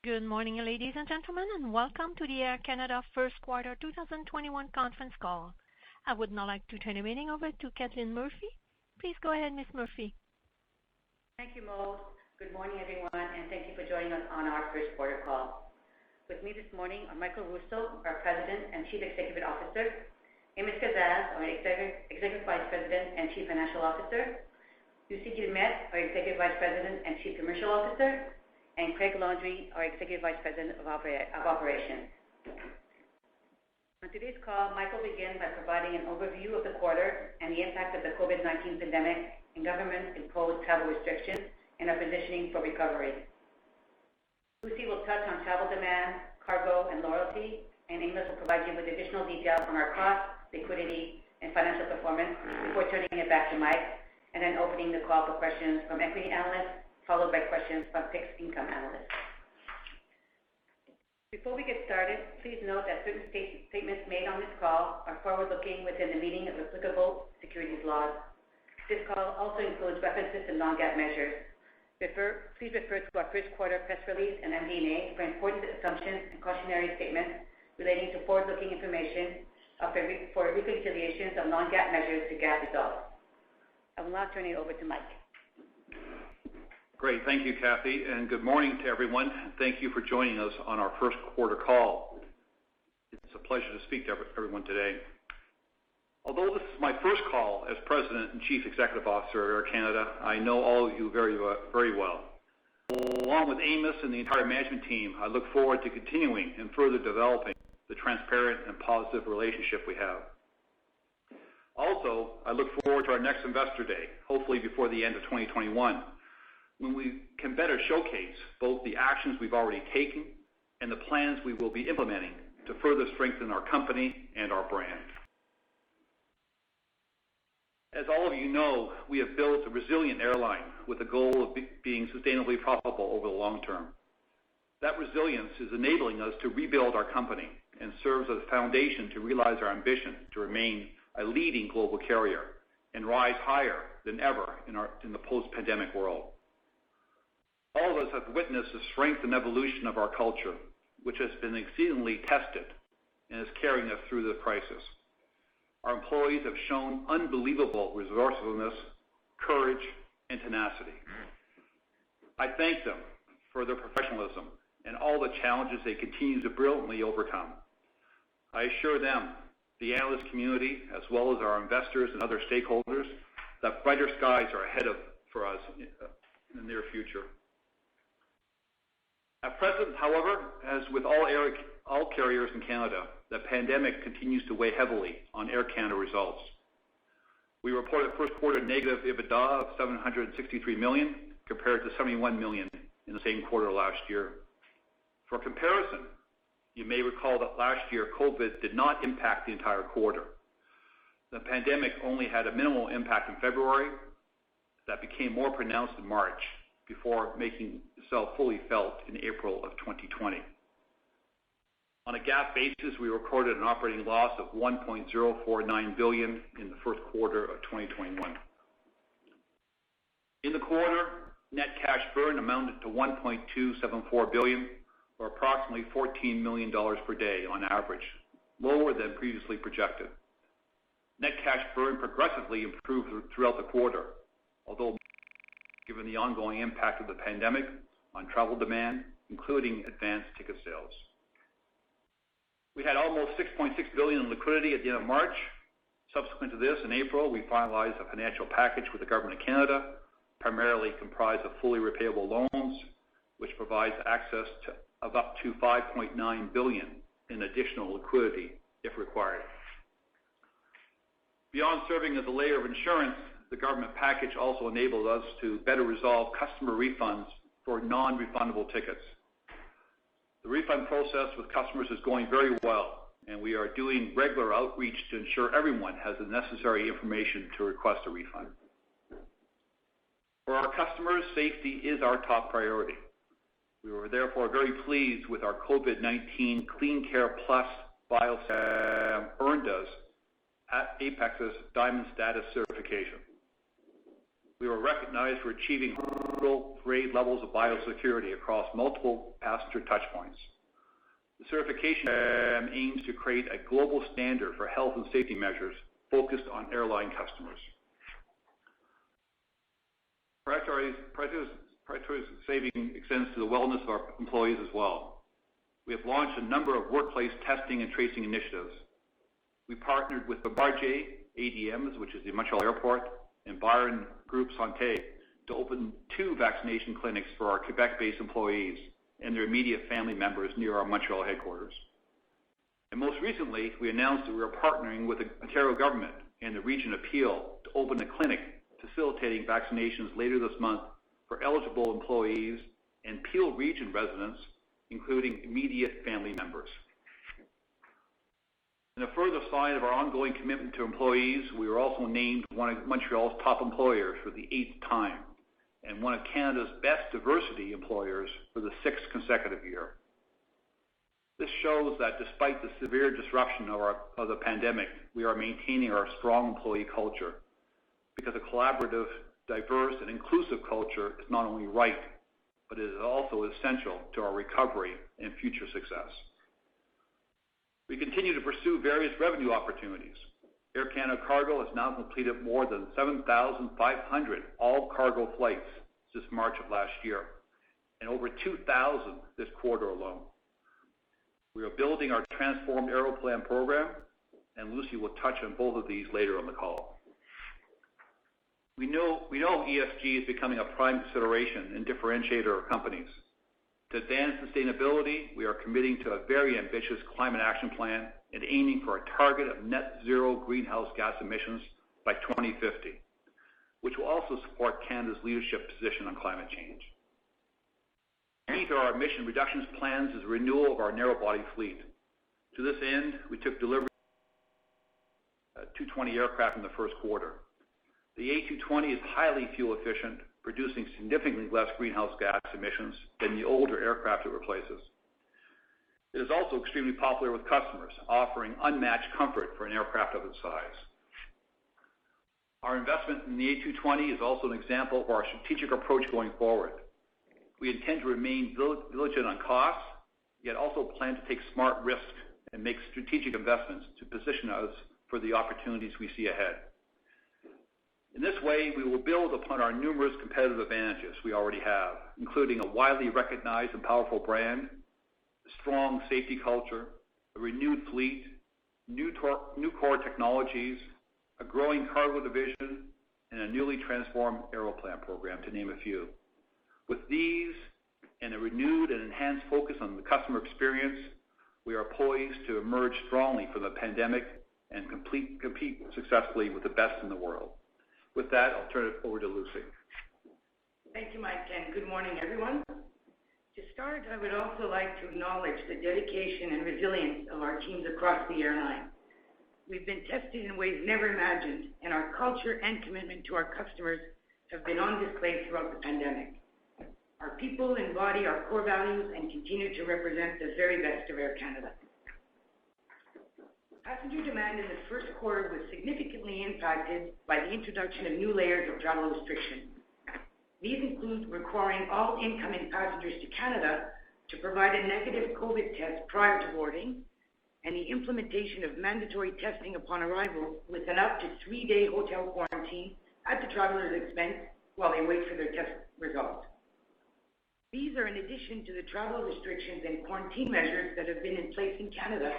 Good morning, ladies and gentlemen, welcome to the Air Canada first quarter 2021 conference call. I would now like to turn the meeting over to Kathleen Murphy. Please go ahead, Ms. Murphy. Thank you, Mo. Good morning, everyone, and thank you for joining us on our first quarter call. With me this morning are Michael Rousseau, our President and Chief Executive Officer, Amos Kazzaz, our Executive Vice President and Chief Financial Officer, Lucie Guillemette, our Executive Vice President and Chief Commercial Officer, and Craig Landry, our Executive Vice President of Operations. On today's call, Michael will begin by providing an overview of the quarter and the impact of the COVID-19 pandemic and government-imposed travel restrictions and our positioning for recovery. Lucie will touch on travel demand, cargo, and loyalty, and Amos will provide you with additional details on our cost, liquidity, and financial performance before turning it back to Mike and then opening the call for questions from equity analysts, followed by questions from fixed-income analysts. Before we get started, please note that certain statements made on this call are forward-looking within the meaning of applicable securities laws. This call also includes references to non-GAAP measures. Please refer to our first quarter press release and MD&A for important assumptions and cautionary statements relating to forward-looking information or for reconciliations of non-GAAP measures to GAAP results. I will now turn it over to Michael. Great. Thank you, Kathy, good morning to everyone, and thank you for joining us on our first-quarter call. It's a pleasure to speak to everyone today. Although this is my first call as President and Chief Executive Officer of Air Canada, I know all of you very well. Along with Amos and the entire management team, I look forward to continuing and further developing the transparent and positive relationship we have. I look forward to our next investor day, hopefully before the end of 2021, when we can better showcase both the actions we've already taken and the plans we will be implementing to further strengthen our company and our brand. As all of you know, we have built a resilient airline with a goal of being sustainably profitable over the long term. That resilience is enabling us to rebuild our company and serves as a foundation to realize our ambition to remain a leading global carrier and rise higher than ever in the post-pandemic world. All of us have witnessed the strength and evolution of our culture, which has been exceedingly tested and is carrying us through the crisis. Our employees have shown unbelievable resourcefulness, courage, and tenacity. I thank them for their professionalism and all the challenges they continue to brilliantly overcome. I assure them, the analyst community, as well as our investors and other stakeholders, that brighter skies are ahead for us in the near future. At present, however, as with all carriers in Canada, the pandemic continues to weigh heavily on Air Canada results. We reported first quarter negative EBITDA of CAD 763 million compared to CAD 71 million in the same quarter last year. For comparison, you may recall that last year, COVID did not impact the entire quarter. The pandemic only had a minimal impact in February that became more pronounced in March before making itself fully felt in April of 2020. On a GAAP basis, we recorded an operating loss of 1.049 billion in the first quarter of 2021. In the quarter, net cash burn amounted to 1.274 billion or approximately 14 million dollars per day on average, lower than previously projected. Net cash burn progressively improved throughout the quarter, although given the ongoing impact of the pandemic on travel demand, including advanced ticket sales. We had almost 6.6 billion in liquidity at the end of March. Subsequent to this, in April, we finalized a financial package with the government of Canada, primarily comprised of fully repayable loans, which provides access to up to 5.9 billion in additional liquidity if required. Beyond serving as a layer of insurance, the government package also enabled us to better resolve customer refunds for non-refundable tickets. The refund process with customers is going very well, and we are doing regular outreach to ensure everyone has the necessary information to request a refund. For our customers, safety is our top priority. We were therefore very pleased with our COVID-19 CleanCare+ biosystem earned us APEX's Diamond Status certification. We were recognized for achieving world-grade levels of biosecurity across multiple passenger touchpoints. The certification aims to create a global standard for health and safety measures focused on airline customers. Priority safety extends to the wellness of our employees as well. We have launched a number of workplace testing and tracing initiatives. We partnered with Aéroports de Montréal, which is the Montréal Airport, and Biron Groupe Santé to open two vaccination clinics for our Quebec-based employees and their immediate family members near our Montréal headquarters. Most recently, we announced that we are partnering with the Ontario government and the region of Peel to open a clinic facilitating vaccinations later this month for eligible employees and Peel Region residents, including immediate family members. In a further sign of our ongoing commitment to employees, we were also named one of Montréal's top employers for the eighth time and one of Canada's best diversity employers for the sixth consecutive year. This shows that despite the severe disruption of the pandemic, we are maintaining our strong employee culture because a collaborative, diverse, and inclusive culture is not only right, but is also essential to our recovery and future success. We continue to pursue various revenue opportunities. Air Canada Cargo has now completed more than 7,500 all-cargo flights since March of last year, and over 2,000 this quarter alone. We are building our transformed Aeroplan program, and Lucie will touch on both of these later in the call. We know ESG is becoming a prime consideration and differentiator of companies. To advance sustainability, we are committing to a very ambitious climate action plan and aiming for a target of net zero greenhouse gas emissions by 2050, which will also support Canada's leadership position on climate change. Key to our emission reductions plans is renewal of our narrow-body fleet. To this end, we took delivery of A220 aircraft in the first quarter. The A220 is highly fuel efficient, producing significantly less greenhouse gas emissions than the older aircraft it replaces. It is also extremely popular with customers, offering unmatched comfort for an aircraft of its size. Our investment in the A220 is also an example of our strategic approach going forward. We intend to remain diligent on costs, yet also plan to take smart risks and make strategic investments to position us for the opportunities we see ahead. In this way, we will build upon our numerous competitive advantages we already have, including a widely recognized and powerful brand, a strong safety culture, a renewed fleet, new core technologies, a growing cargo division, and a newly transformed Aeroplan program, to name a few. With these and a renewed and enhanced focus on the customer experience, we are poised to emerge strongly from the pandemic and compete successfully with the best in the world. With that, I'll turn it over to Lucie. Thank you, Mike, and good morning, everyone. To start, I would also like to acknowledge the dedication and resilience of our teams across the airline. We've been tested in ways never imagined, and our culture and commitment to our customers have been on display throughout the pandemic. Our people embody our core values and continue to represent the very best of Air Canada. Passenger demand in the first quarter was significantly impacted by the introduction of new layers of travel restriction. These include requiring all incoming passengers to Canada to provide a negative COVID test prior to boarding, and the implementation of mandatory testing upon arrival with an up to three-day hotel quarantine at the traveler's expense while they wait for their test result. These are in addition to the travel restrictions and quarantine measures that have been in place in Canada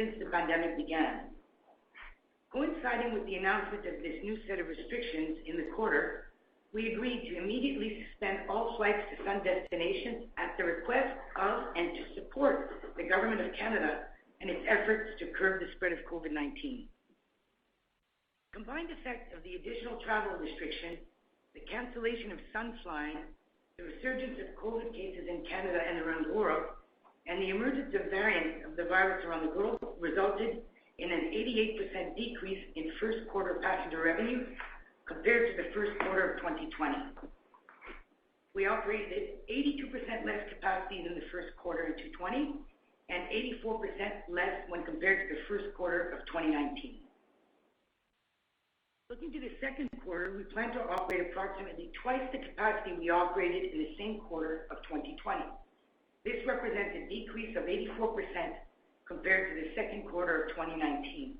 since the pandemic began. Coinciding with the announcement of this new set of restrictions in the quarter, we agreed to immediately suspend all flights to sun destinations at the request of and to support the government of Canada in its efforts to curb the spread of COVID-19. Combined effect of the additional travel restriction, the cancellation of sun flying, the resurgence of COVID cases in Canada and around the world, and the emergence of variants of the virus around the globe resulted in an 88% decrease in first quarter passenger revenue compared to the first quarter of 2020. We operated 82% less capacity than the first quarter in 2020 and 84% less when compared to the first quarter of 2019. Looking to the second quarter, we plan to operate approximately twice the capacity we operated in the same quarter of 2020. This represents a decrease of 84% compared to the second quarter of 2019.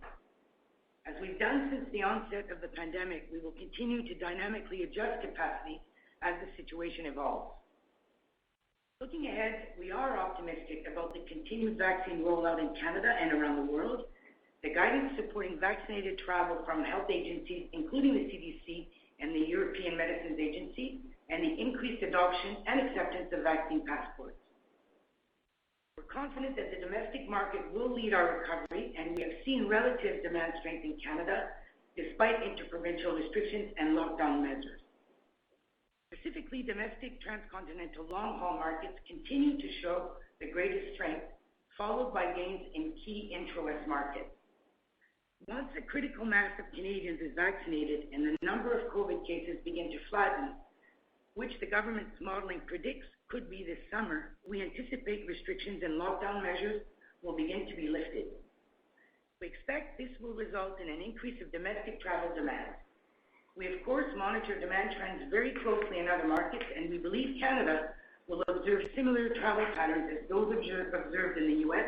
As we've done since the onset of the pandemic, we will continue to dynamically adjust capacity as the situation evolves. Looking ahead, we are optimistic about the continued vaccine rollout in Canada and around the world, the guidance supporting vaccinated travel from health agencies, including the CDC and the European Medicines Agency, and the increased adoption and acceptance of vaccine passports. We're confident that the domestic market will lead our recovery, and we have seen relative demand strength in Canada despite interprovincial restrictions and lockdown measures. Specifically, domestic transcontinental long-haul markets continue to show the greatest strength, followed by gains in key intra-West markets. Once a critical mass of Canadians is vaccinated and the number of COVID cases begin to flatten, which the government's modeling predicts could be this summer, we anticipate restrictions and lockdown measures will begin to be lifted. We expect this will result in an increase of domestic travel demand. We, of course, monitor demand trends very closely in other markets. We believe Canada will observe similar travel patterns as those observed in the U.S.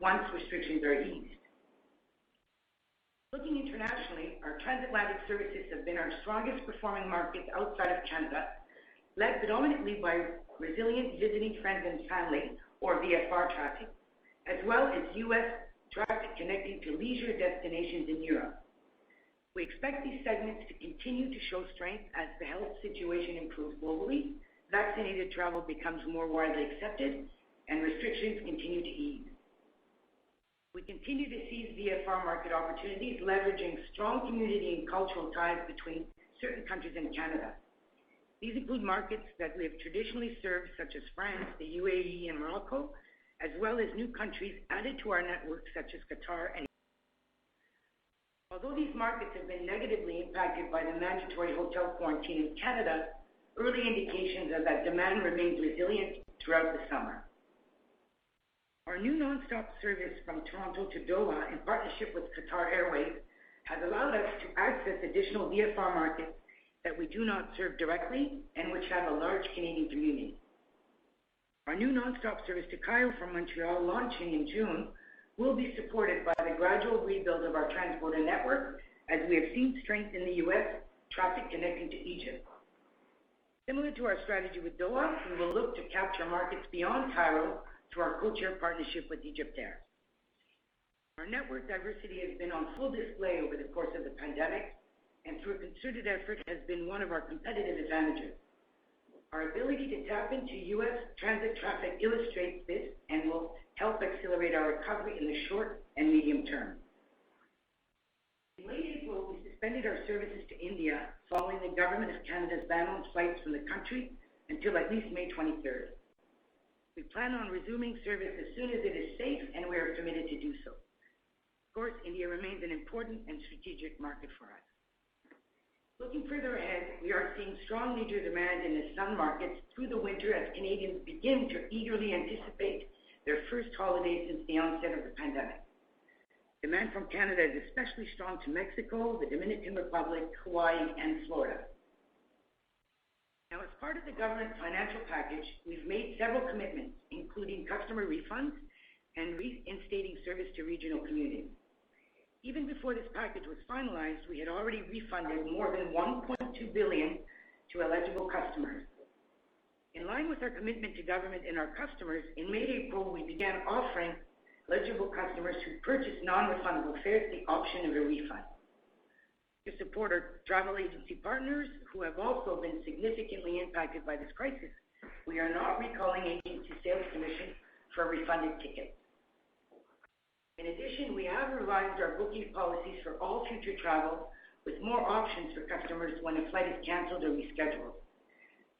once restrictions are eased. Looking internationally, our transatlantic services have been our strongest performing markets outside of Canada, led predominantly by resilient visiting friends and family, or VFR traffic, as well as U.S. traffic connecting to leisure destinations in Europe. We expect these segments to continue to show strength as the health situation improves globally, vaccinated travel becomes more widely accepted. Restrictions continue to ease. We continue to seize VFR market opportunities, leveraging strong community and cultural ties between certain countries and Canada. These include markets that we have traditionally served, such as France, the U.A.E., and Morocco, as well as new countries added to our network, such as Qatar. Although these markets have been negatively impacted by the mandatory hotel quarantine in Canada, early indications are that demand remained resilient throughout the summer. Our new nonstop service from Toronto to Doha, in partnership with Qatar Airways, has allowed us to access additional VFR markets that we do not serve directly and which have a large Canadian community. Our new nonstop service to Cairo from Montreal, launching in June, will be supported by the gradual rebuild of our transborder network as we have seen strength in the U.S. traffic connecting to Egypt. Similar to our strategy with Doha, we will look to capture markets beyond Cairo through our codeshare partnership with EgyptAir. Our network diversity has been on full display over the course of the pandemic, and through a concerted effort, has been one of our competitive advantages. Our ability to tap into U.S. transit traffic illustrates this and will help accelerate our recovery in the short and medium term. In late April, we suspended our services to India following the government of Canada's ban on flights from the country until at least May 23rd. We plan on resuming service as soon as it is safe, and we are committed to do so. Of course, India remains an important and strategic market for us. Looking further ahead, we are seeing stronger demand in the sun markets through the winter as Canadians begin to eagerly anticipate their first holiday since the onset of the pandemic. Demand from Canada is especially strong to Mexico, the Dominican Republic, Hawaii, and Florida. As part of the government financial package, we've made several commitments, including customer refunds and reinstating service to regional communities. Even before this package was finalized, we had already refunded more than 1.2 billion to eligible customers. In line with our commitment to government and our customers, in late April, we began offering eligible customers who purchased non-refundable fares the option of a refund. To support our travel agency partners, who have also been significantly impacted by this crisis, we are not recalling agency sales commissions for refunded tickets. We have revised our booking policies for all future travel with more options for customers when a flight is canceled or rescheduled.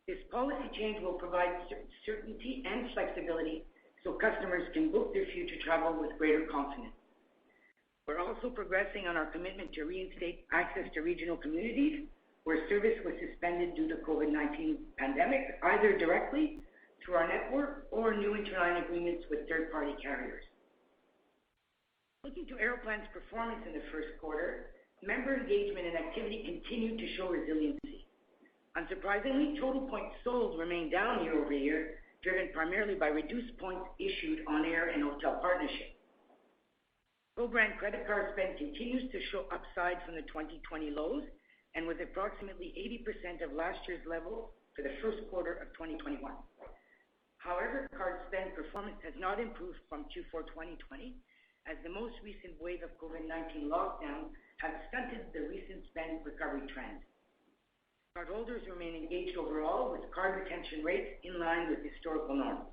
This policy change will provide certainty and flexibility so customers can book their future travel with greater confidence. We're also progressing on our commitment to reinstate access to regional communities where service was suspended due to COVID-19 pandemic, either directly through our network or new interline agreements with third-party carriers. Looking to Aeroplan's performance in the first quarter, member engagement and activity continued to show resiliency. Unsurprisingly, total points sold remained down year-over-year, driven primarily by reduced points issued on air and hotel partnerships. Co-brand credit card spend continues to show upside from the 2020 lows and was approximately 80% of last year's level for the first quarter of 2021. However, card spend performance has not improved from Q4 2020, as the most recent wave of COVID-19 lockdowns has stunted the recent spend recovery trend. Cardholders remain engaged overall with card retention rates in line with historical norms.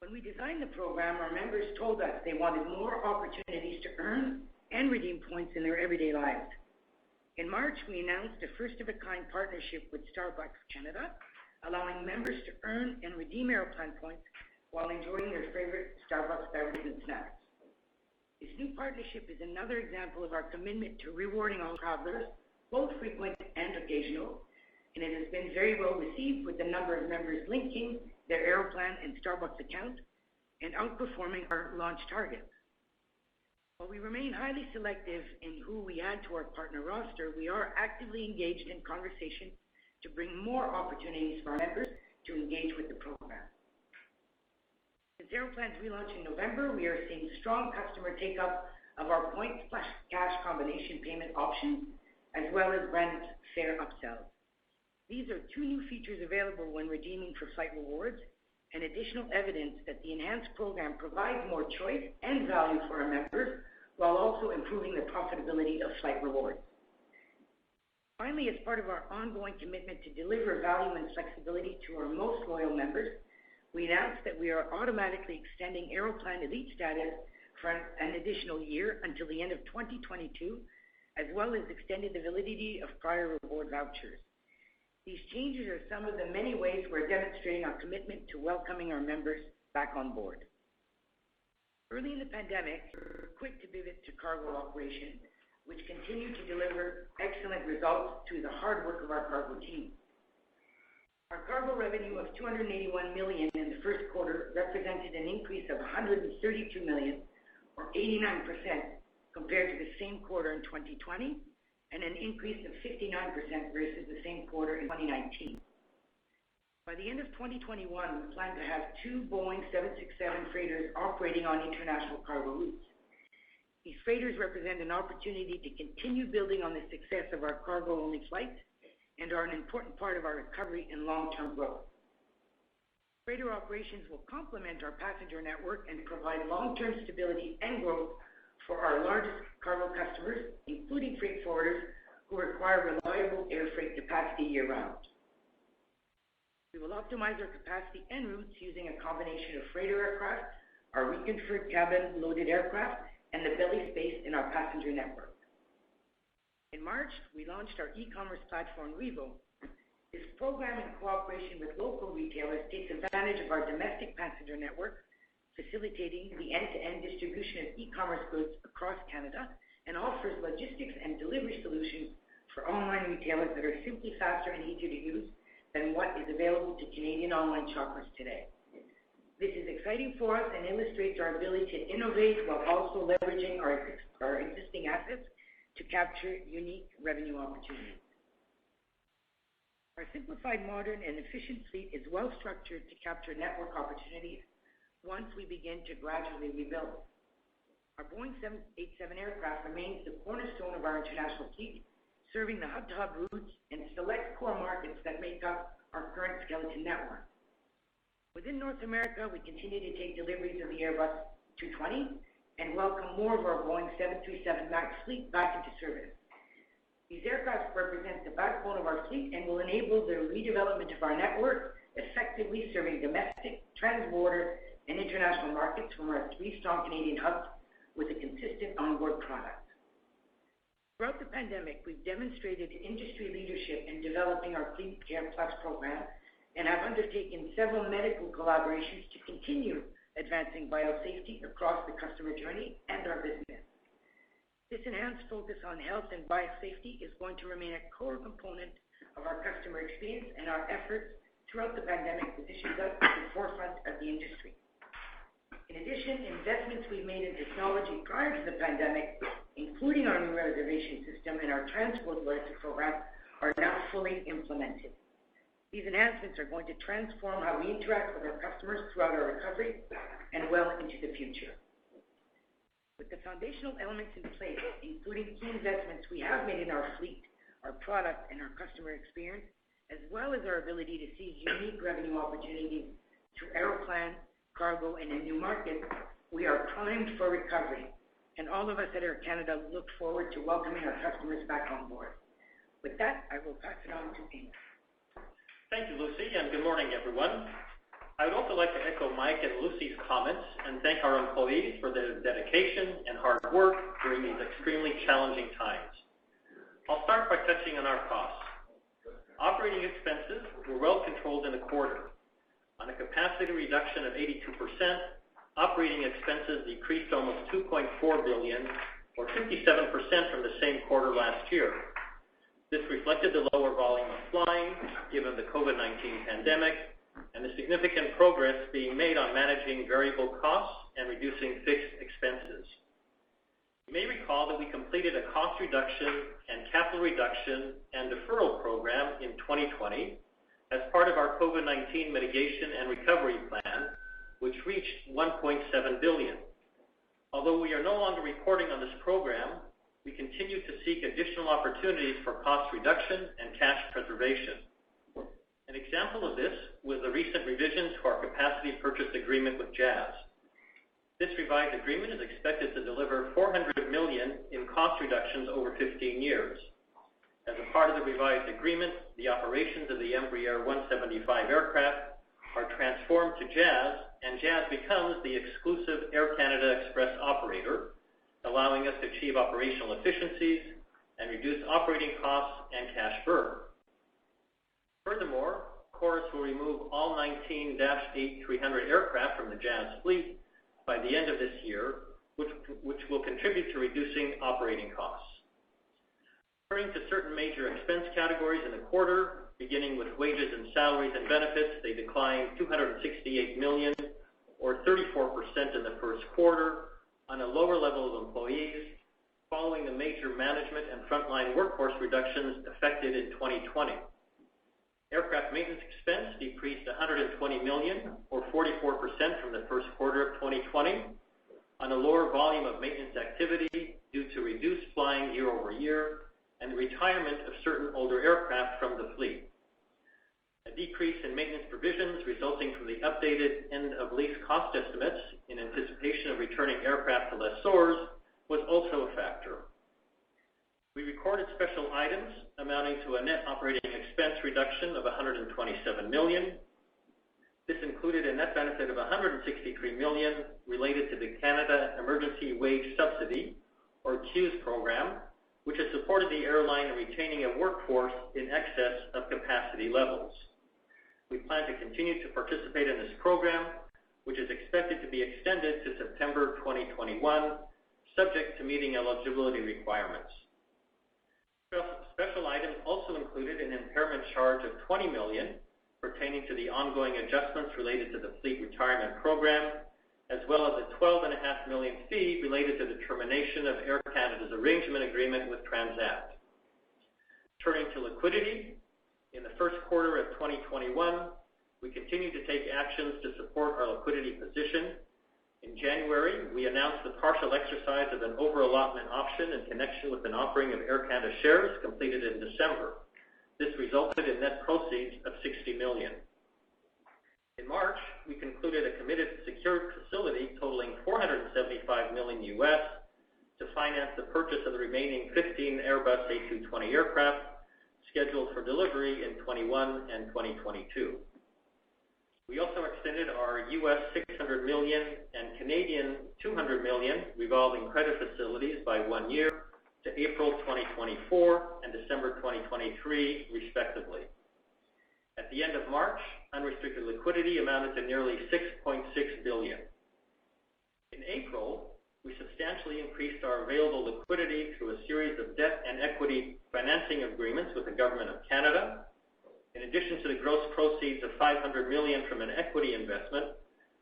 When we designed the program, our members told us they wanted more opportunities to earn and redeem points in their everyday lives. In March, we announced a first-of-its-kind partnership with Starbucks Canada, allowing members to earn and redeem Aeroplan points while enjoying their favorite Starbucks beverages and snacks. This new partnership is another example of our commitment to rewarding all travelers, both frequent and occasional, and it has been very well received with the number of members linking their Aeroplan and Starbucks accounts and outperforming our launch targets. While we remain highly selective in who we add to our partner roster, we are actively engaged in conversations to bring more opportunities for our members to engage with the program. Since Aeroplan's relaunch in November, we are seeing strong customer take-up of our points plus cash combination payment option, as well as branded fare upsells. These are two new features available when redeeming for flight rewards and additional evidence that the enhanced program provides more choice and value for our members while also improving the profitability of flight rewards. Finally, as part of our ongoing commitment to deliver value and flexibility to our most loyal members, we announced that we are automatically extending Aeroplan elite status for an additional year until the end of 2022, as well as extending the validity of prior reward vouchers. These changes are some of the many ways we're demonstrating our commitment to welcoming our members back on board. Early in the pandemic, we were quick to pivot to cargo operations, which continued to deliver excellent results through the hard work of our cargo team. Our cargo revenue of 281 million in the first quarter represented an increase of 132 million or 89% compared to the same quarter in 2020, and an increase of 59% versus the same quarter in 2019. By the end of 2021, we plan to have two Boeing 767 freighters operating on international cargo routes. These freighters represent an opportunity to continue building on the success of our cargo-only flights and are an important part of our recovery and long-term growth. Freighter operations will complement our passenger network and provide long-term stability and growth for our largest cargo customers, including freight forwarders, who require reliable air freight capacity year-round. We will optimize our capacity and routes using a combination of freighter aircraft, our reconfigured cabin loaded aircraft, and the belly space in our passenger network. In March, we launched our e-commerce platform, Rivo. This program, in cooperation with local retailers, takes advantage of our domestic passenger network, facilitating the end-to-end distribution of e-commerce goods across Canada and offers logistics and delivery solutions for online retailers that are simply faster and easier to use than what is available to Canadian online shoppers today. This is exciting for us and illustrates our ability to innovate while also leveraging our existing assets to capture unique revenue opportunities. Our simplified, modern, and efficient fleet is well-structured to capture network opportunities once we begin to gradually rebuild. Our Boeing 787 aircraft remains the cornerstone of our international fleet, serving the hub-to-hub routes in select core markets that make up our current skeleton network. Within North America, we continue to take deliveries of the Airbus A220 and welcome more of our Boeing 737 MAX fleet back into service. These aircraft represent the backbone of our fleet and will enable the redevelopment of our network, effectively serving domestic, transborder, and international markets from our three strong Canadian hubs with a consistent onboard product. Throughout the pandemic, we've demonstrated industry leadership in developing our CleanCare+ program and have undertaken several medical collaborations to continue advancing biosafety across the customer journey and our business. This enhanced focus on health and biosafety is going to remain a core component of our customer experience and our efforts throughout the pandemic position us at the forefront of the industry. In addition, investments we made in technology prior to the pandemic, including our new reservation system and our Transport Logic program, are now fully implemented. These enhancements are going to transform how we interact with our customers throughout our recovery and well into the future. With the foundational elements in place, including key investments we have made in our fleet, our product, and our customer experience, as well as our ability to see unique revenue opportunities through Aeroplan, cargo, and in new markets, we are primed for recovery, and all of us at Air Canada look forward to welcoming our customers back on board. With that, I will pass it on to Amos. Thank you, Lucie. Good morning, everyone. I would also like to echo Mike and Lucie's comments and thank our employees for their dedication and hard work during these extremely challenging times. I'll start by touching on our costs. Operating expenses were well controlled in the quarter. On a capacity reduction of 82%, operating expenses decreased almost 2.4 billion, or 57% from the same quarter last year. This reflected the lower volume of flying given the COVID-19 pandemic and the significant progress being made on managing variable costs and reducing fixed expenses. You may recall that we completed a cost reduction and capital reduction and deferral program in 2020 as part of our COVID-19 mitigation and recovery plan, which reached 1.7 billion. Although we are no longer reporting on this program, we continue to seek additional opportunities for cost reduction and cash preservation. An example of this was the recent revisions to our capacity purchase agreement with Jazz. This revised agreement is expected to deliver 400 million in cost reductions over 15 years. As a part of the revised agreement, the operations of the Embraer E175 aircraft are transformed to Jazz, and Jazz becomes the exclusive Air Canada Express operator, allowing us to achieve operational efficiencies and reduce operating costs and cash burn. Furthermore, of course, we'll remove all 19 Dash 8-300 aircraft from the Jazz fleet by the end of this year, which will contribute to reducing operating costs. Turning to certain major expense categories in the quarter, beginning with wages and salaries and benefits, they declined 268 million or 34% in the first quarter on a lower level of employees following the major management and frontline workforce reductions affected in 2020. Aircraft maintenance expense decreased 120 million or 44% from the first quarter of 2020 on a lower volume of maintenance activity due to reduced flying year-over-year and retirement of certain older aircraft from the fleet. A decrease in maintenance provisions resulting from the updated end-of-lease cost estimates in anticipation of returning aircraft to lessors was also a factor. We recorded special items amounting to a net operating expense reduction of 127 million. This included a net benefit of 163 million related to the Canada Emergency Wage Subsidy, or CEWS program, which has supported the airline in retaining a workforce in excess of capacity levels. We plan to continue to participate in this program, which is expected to be extended to September 2021, subject to meeting eligibility requirements. Special items also included an impairment charge of 20 million pertaining to the ongoing adjustments related to the fleet retirement program, as well as a 12.5 million fee related to the termination of Air Canada's arrangement agreement with Transat. Turning to liquidity, in the first quarter of 2021, we continued to take actions to support our liquidity position. In January, we announced the partial exercise of an over-allotment option in connection with an offering of Air Canada shares completed in December. This resulted in net proceeds of 60 million. In March, we concluded a committed secured facility totaling $475 million to finance the purchase of the remaining 15 Airbus A220 aircraft scheduled for delivery in 2021 and 2022. We also extended our $600 million and 200 million revolving credit facilities by one year to April 2024 and December 2023, respectively. At the end of March, unrestricted liquidity amounted to nearly 6.6 billion. In April, we substantially increased our available liquidity through a series of debt and equity financing agreements with the Government of Canada. In addition to the gross proceeds of 500 million from an equity investment,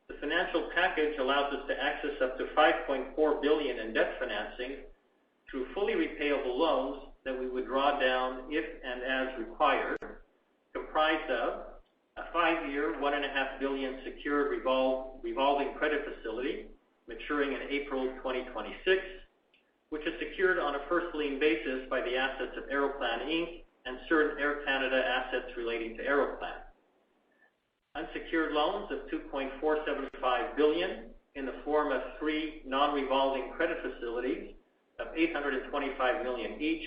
the financial package allows us to access up to 5.4 billion in debt financing through fully repayable loans that we would draw down if and as required, comprised of a five-year, 1.5 billion secured revolving credit facility maturing in April 2026, which is secured on a first lien basis by the assets of Aeroplan Inc and certain Air Canada assets relating to Aeroplan. Unsecured loans of 2.475 billion in the form of three non-revolving credit facilities of 825 million each,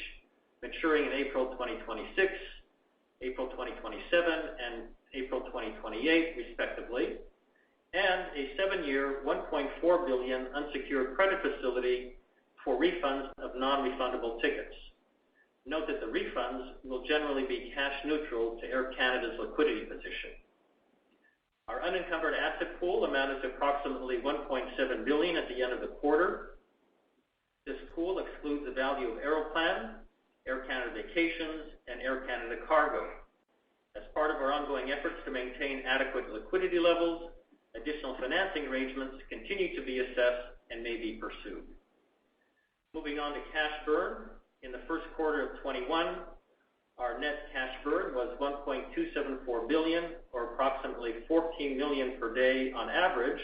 maturing in April 2026, April 2027, and April 2028, respectively, and a seven-year, 1.4 billion unsecured credit facility for refunds of non-refundable tickets. Note that the refunds will generally be cash neutral to Air Canada's liquidity position. Our unencumbered asset pool amounted to approximately 1.7 billion at the end of the quarter. This pool excludes the value of Aeroplan, Air Canada Vacations, and Air Canada Cargo. As part of our ongoing efforts to maintain adequate liquidity levels, additional financing arrangements continue to be assessed and may be pursued. Moving on to cash burn. In the first quarter of 2021, our net cash burn was 1.274 billion, or approximately 14 million per day on average,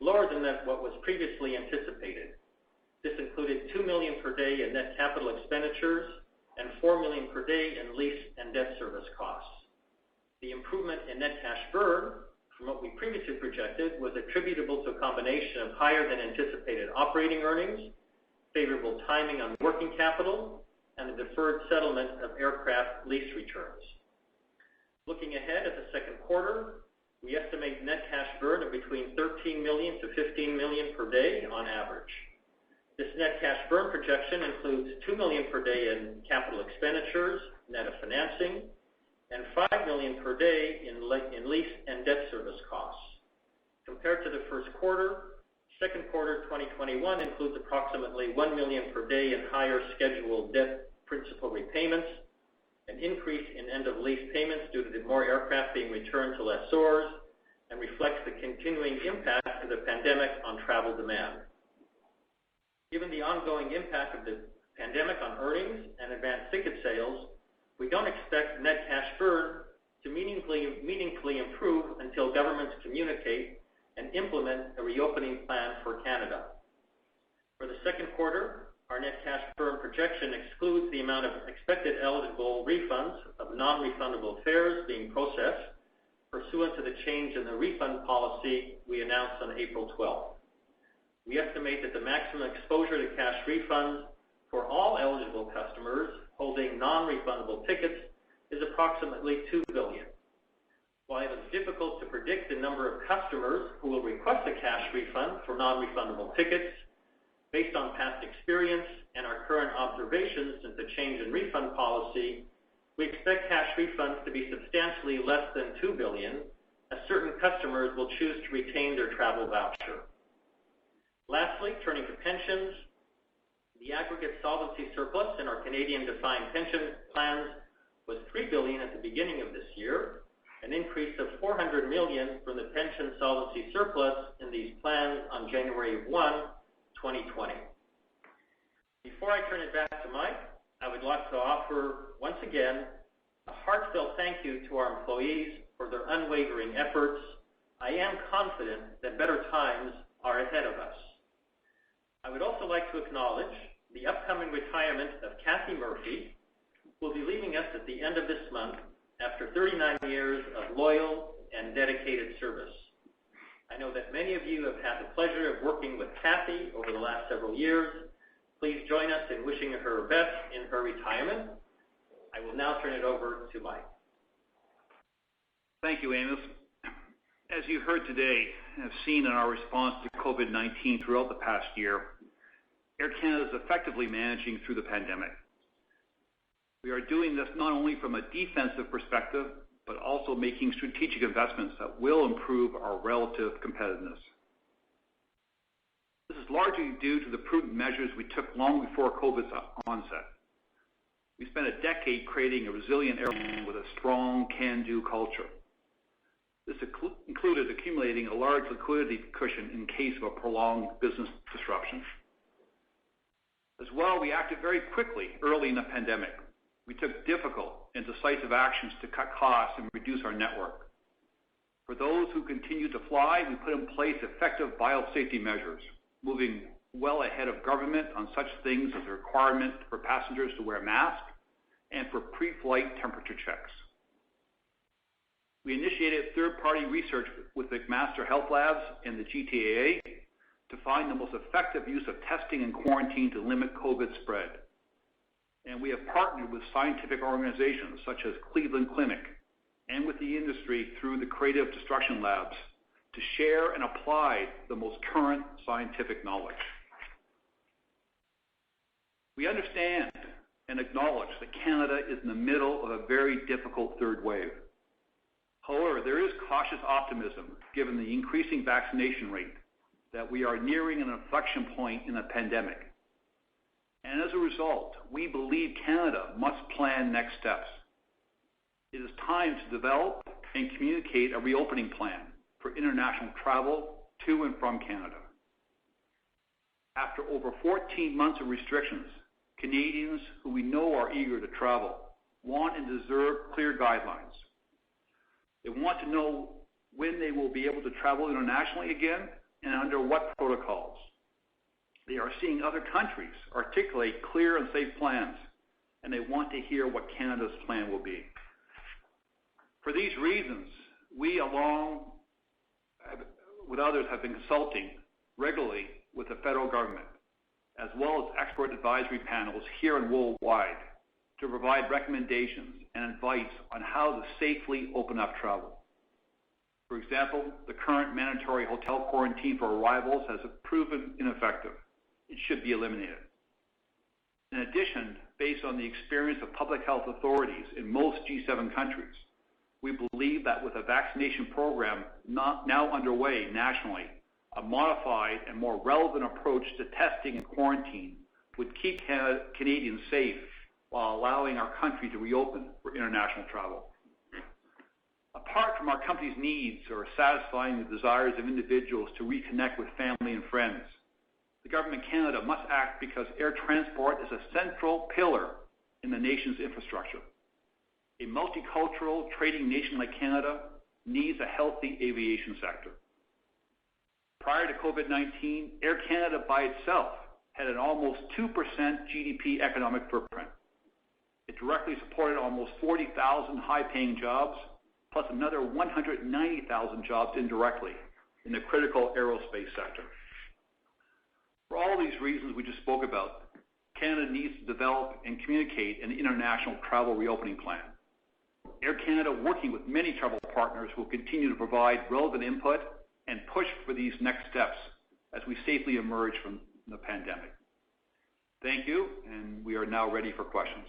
lower than what was previously anticipated. This included 2 million per day in net capital expenditures and 4 million per day in lease and debt service costs. The improvement in net cash burn from what we previously projected was attributable to a combination of higher than anticipated operating earnings, favorable timing on working capital, and the deferred settlement of aircraft lease returns. Looking ahead at the second quarter, we estimate net cash burn of between 13 million to 15 million per day on average. This net cash burn projection includes 2 million per day in capital expenditures, net of financing, and 5 million per day in lease and debt service costs. Compared to the first quarter, second quarter 2021 includes approximately 1 million per day in higher scheduled debt principal repayments, an increase in end-of-lease payments due to more aircraft being returned to lessors, and reflects the continuing impact of the pandemic on travel demand. Given the ongoing impact of the pandemic on earnings and advance ticket sales, we don't expect net cash burn to meaningfully improve until governments communicate and implement a reopening plan for Canada. For the second quarter, our net cash burn projection excludes the amount of expected eligible refunds of non-refundable fares being processed pursuant to the change in the refund policy we announced on April 12th. We estimate that the maximum exposure to cash refunds for all eligible customers holding non-refundable tickets is approximately 2 billion. While it is difficult to predict the number of customers who will request a cash refund for non-refundable tickets, based on past experience and our current observations since the change in refund policy, we expect cash refunds to be substantially less than 2 billion as certain customers will choose to retain their travel voucher. Lastly, turning to pensions. The aggregate solvency surplus in our Canadian defined pension plans was 3 billion at the beginning of this year, an increase of 400 million from the pension solvency surplus in these plans on January 1, 2020. Before I turn it back to Mike, I would like to offer, once again, a heartfelt thank you to our employees for their unwavering efforts. I am confident that better times are ahead of us. I would also like to acknowledge the upcoming retirement of Kathy Murphy, who will be leaving us at the end of this month after 39 years of loyal and dedicated service. I know that many of you have had the pleasure of working with Kathy over the last several years. Please join us in wishing her the best in her retirement. I will now turn it over to Mike. Thank you, Amos. As you heard today and have seen in our response to COVID-19 throughout the past year, Air Canada is effectively managing through the pandemic. We are doing this not only from a defensive perspective, but also making strategic investments that will improve our relative competitiveness. This is largely due to the prudent measures we took long before COVID's onset. We spent a decade creating a resilient airline with a strong can-do culture. This included accumulating a large liquidity cushion in case of a prolonged business disruption. As well, we acted very quickly early in the pandemic. We took difficult and decisive actions to cut costs and reduce our network. For those who continued to fly, we put in place effective biosafety measures, moving well ahead of government on such things as a requirement for passengers to wear a mask and for pre-flight temperature checks. We initiated third-party research with the McMaster HealthLabs and the GTAA to find the most effective use of testing and quarantine to limit COVID-19 spread. We have partnered with scientific organizations such as Cleveland Clinic and with the industry through the Creative Destruction Lab to share and apply the most current scientific knowledge. We understand and acknowledge that Canada is in the middle of a very difficult third wave. However, there is cautious optimism, given the increasing vaccination rate, that we are nearing an inflection point in the pandemic. As a result, we believe Canada must plan next steps. It is time to develop and communicate a reopening plan for international travel to and from Canada. After over 14 months of restrictions, Canadians, who we know are eager to travel, want and deserve clear guidelines. They want to know when they will be able to travel internationally again and under what protocols. They are seeing other countries articulate clear and safe plans, and they want to hear what Canada's plan will be. For these reasons, we along with others, have been consulting regularly with the federal government as well as expert advisory panels here and worldwide to provide recommendations and advice on how to safely open up travel. For example, the current mandatory hotel quarantine for arrivals has proven ineffective. It should be eliminated. In addition, based on the experience of public health authorities in most G7 countries, we believe that with a vaccination program now underway nationally, a modified and more relevant approach to testing and quarantine would keep Canadians safe while allowing our country to reopen for international travel. Apart from our company's needs or satisfying the desires of individuals to reconnect with family and friends, the government of Canada must act because air transport is a central pillar in the nation's infrastructure. A multicultural trading nation like Canada needs a healthy aviation sector. Prior to COVID-19, Air Canada by itself had an almost 2% GDP economic footprint. It directly supported almost 40,000 high-paying jobs, plus another 190,000 jobs indirectly in the critical aerospace sector. For all these reasons we just spoke about, Canada needs to develop and communicate an international travel reopening plan. Air Canada, working with many travel partners, will continue to provide relevant input and push for these next steps as we safely emerge from the pandemic. Thank you. We are now ready for questions.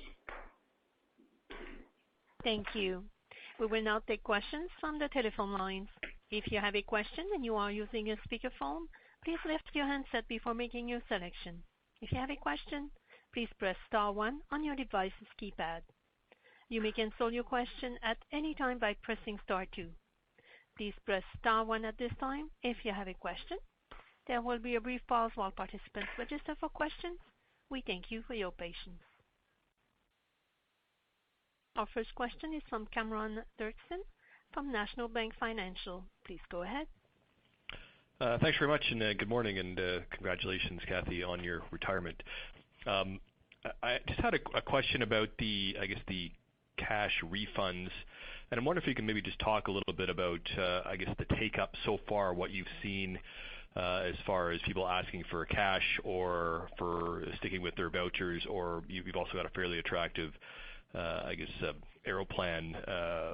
Thank you. We will now take questions from the telephone lines. If you have a question and you are using a speakerphone, please lift your handset before making your selection. If you have a question, please press star one on your device's keypad. You may cancel your question at any time by pressing star two. Please press star one at this time if you have a question. There will be a brief pause while participants register for questions. We thank you for your patience. Our first question is from Cameron Doerksen from National Bank Financial. Please go ahead. Thanks very much, and good morning, and congratulations, Kathy, on your retirement. I just had a question about the cash refunds, and I wonder if you can maybe just talk a little bit about the take-up so far, what you've seen as far as people asking for cash or for sticking with their vouchers, or you've also got a fairly attractive Aeroplan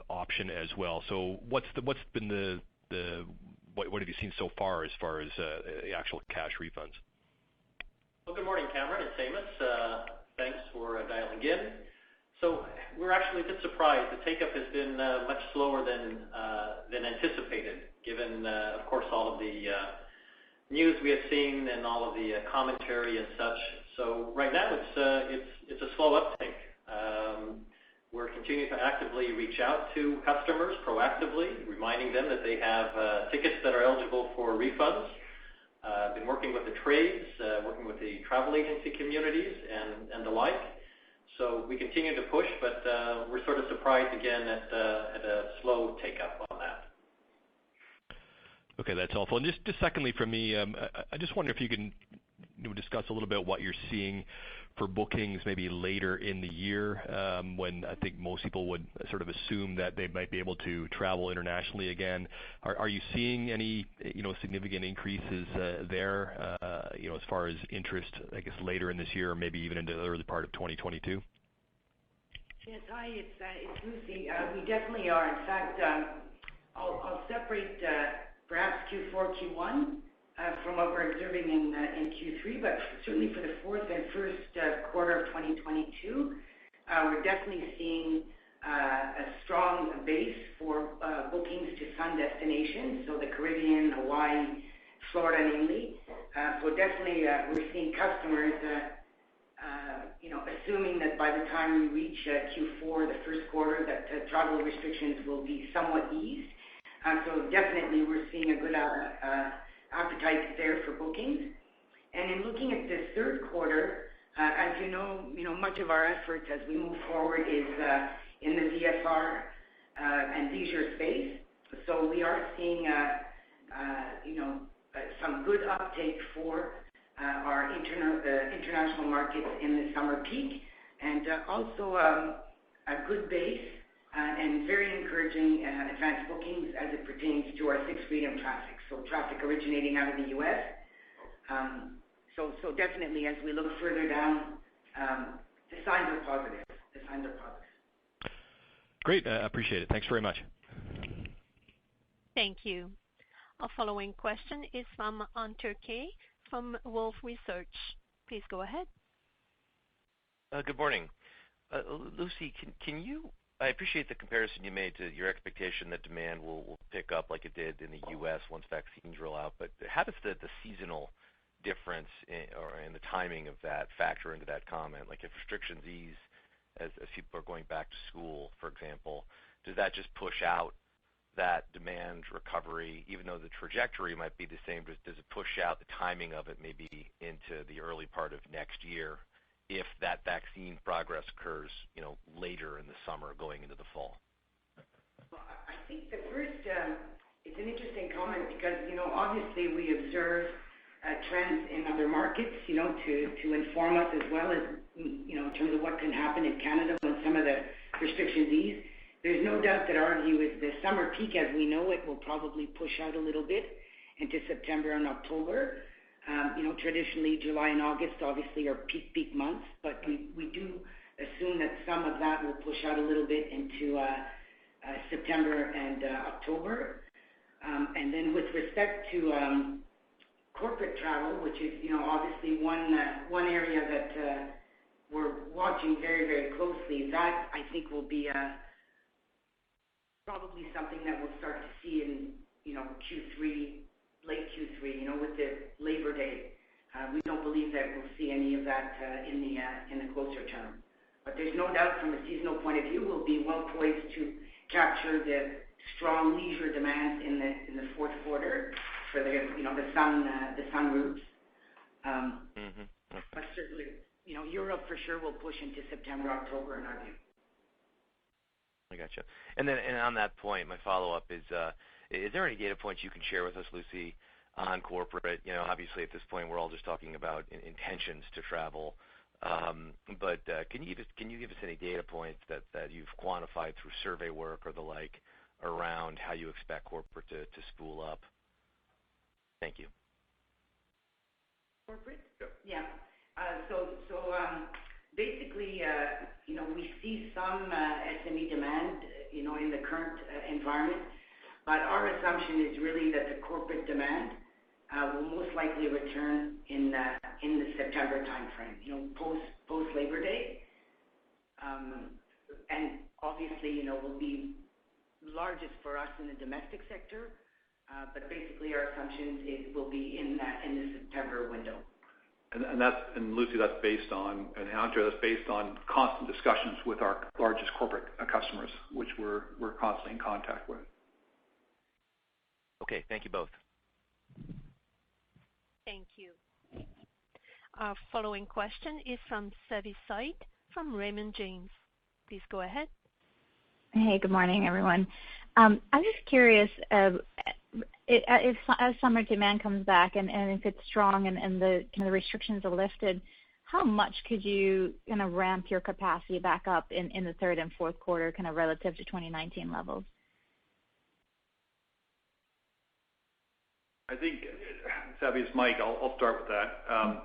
option as well. What have you seen so far as far as the actual cash refunds? Well, good morning, Cameron. It's Amos. Thanks for dialing in. We're actually a bit surprised. The take-up has been much slower than anticipated, given, of course, all of the news we have seen and all of the commentary and such. Right now it's a slow uptake. We're continuing to actively reach out to customers proactively, reminding them that they have tickets that are eligible for refunds. We've been working with the trades, working with the travel agency communities, and the like. We continue to push, but we're sort of surprised again at the slow take-up on that. Okay. That's helpful. Secondly from me, I just wonder if you're seeing for bookings maybe later in the year, when I think most people would sort of assume that they might be able to travel internationally again. Are you seeing any significant increases there as far as interest, I guess, later in this year or maybe even into the early part of 2022? Yes. Hi, it's Lucie. We definitely are. In fact, I'll separate perhaps Q4, Q1 from what we're observing in Q3. Certainly for the fourth and first quarter of 2022, we're definitely seeing a strong base for bookings to sun destinations, so the Caribbean, Hawaii, Florida namely. Definitely, we're seeing customers assuming that by the time we reach Q4, the first quarter, that travel restrictions will be somewhat eased. Definitely we're seeing a good appetite there for bookings. In looking at the third quarter, as you know, much of our efforts as we move forward is in the VFR and leisure space. We are seeing some good uptake for our international markets in the summer peak, and also a good base and very encouraging advance bookings as it pertains to our sixth freedom traffic, so traffic originating out of the U.S. Definitely as we look further down, the signs are positive. Great. I appreciate it. Thanks very much. Thank you. Our following question is from Hunter Keay from Wolfe Research. Please go ahead. Good morning. Lucie, I appreciate the comparison you made to your expectation that demand will pick up like it did in the U.S. once vaccines roll out. How does the seasonal difference and the timing of that factor into that comment? Like if restrictions ease as people are going back to school, for example, does that just push out that demand recovery even though the trajectory might be the same, but does it push out the timing of it maybe into the early part of next year if that vaccine progress occurs later in the summer going into the fall? Well, I think it's an interesting comment because, obviously we observe trends in other markets to inform us as well as in terms of what can happen in Canada when some of the restrictions ease. There's no doubt that our view is the summer peak as we know it will probably push out a little bit into September and October. Traditionally July and August obviously are peak months, but we do assume that some of that will push out a little bit into September and October. With respect to corporate travel, which is obviously one area that we're watching very closely, that I think will be probably something that we'll start to see in Q3, late Q3 with the Labor Day. We don't believe that we'll see any of that in the closer term. There's no doubt from a seasonal point of view, we'll be well poised to capture the strong leisure demand in the fourth quarter for the sun routes. Mm-hmm. Okay. Certainly, Europe for sure will push into September, October in our view. I got you. On that point, my follow-up is there any data points you can share with us, Lucie, on corporate? Obviously, at this point, we're all just talking about intentions to travel. Can you give us any data points that you've quantified through survey work or the like around how you expect corporate to spool up? Thank you. Corporate? Yep. Yeah. Basically, we see some SME demand in the current environment, our assumption is really that the corporate demand will most likely return in the September timeframe, post Labor Day. Obviously, will be largest for us in the domestic sector. Basically, our assumption is it will be in the September window. Lucie, that's based on, and Hunter, that's based on constant discussions with our largest corporate customers, which we're constantly in contact with. Okay. Thank you both. Thank you. Our following question is from Savanthi Syth from Raymond James. Please go ahead. Hey, good morning, everyone. I'm just curious, as summer demand comes back and if it's strong and the restrictions are lifted, how much could you ramp your capacity back up in the third and fourth quarter, kind of relative to 2019 levels? I think, Savi, it's Mike, I'll start with that.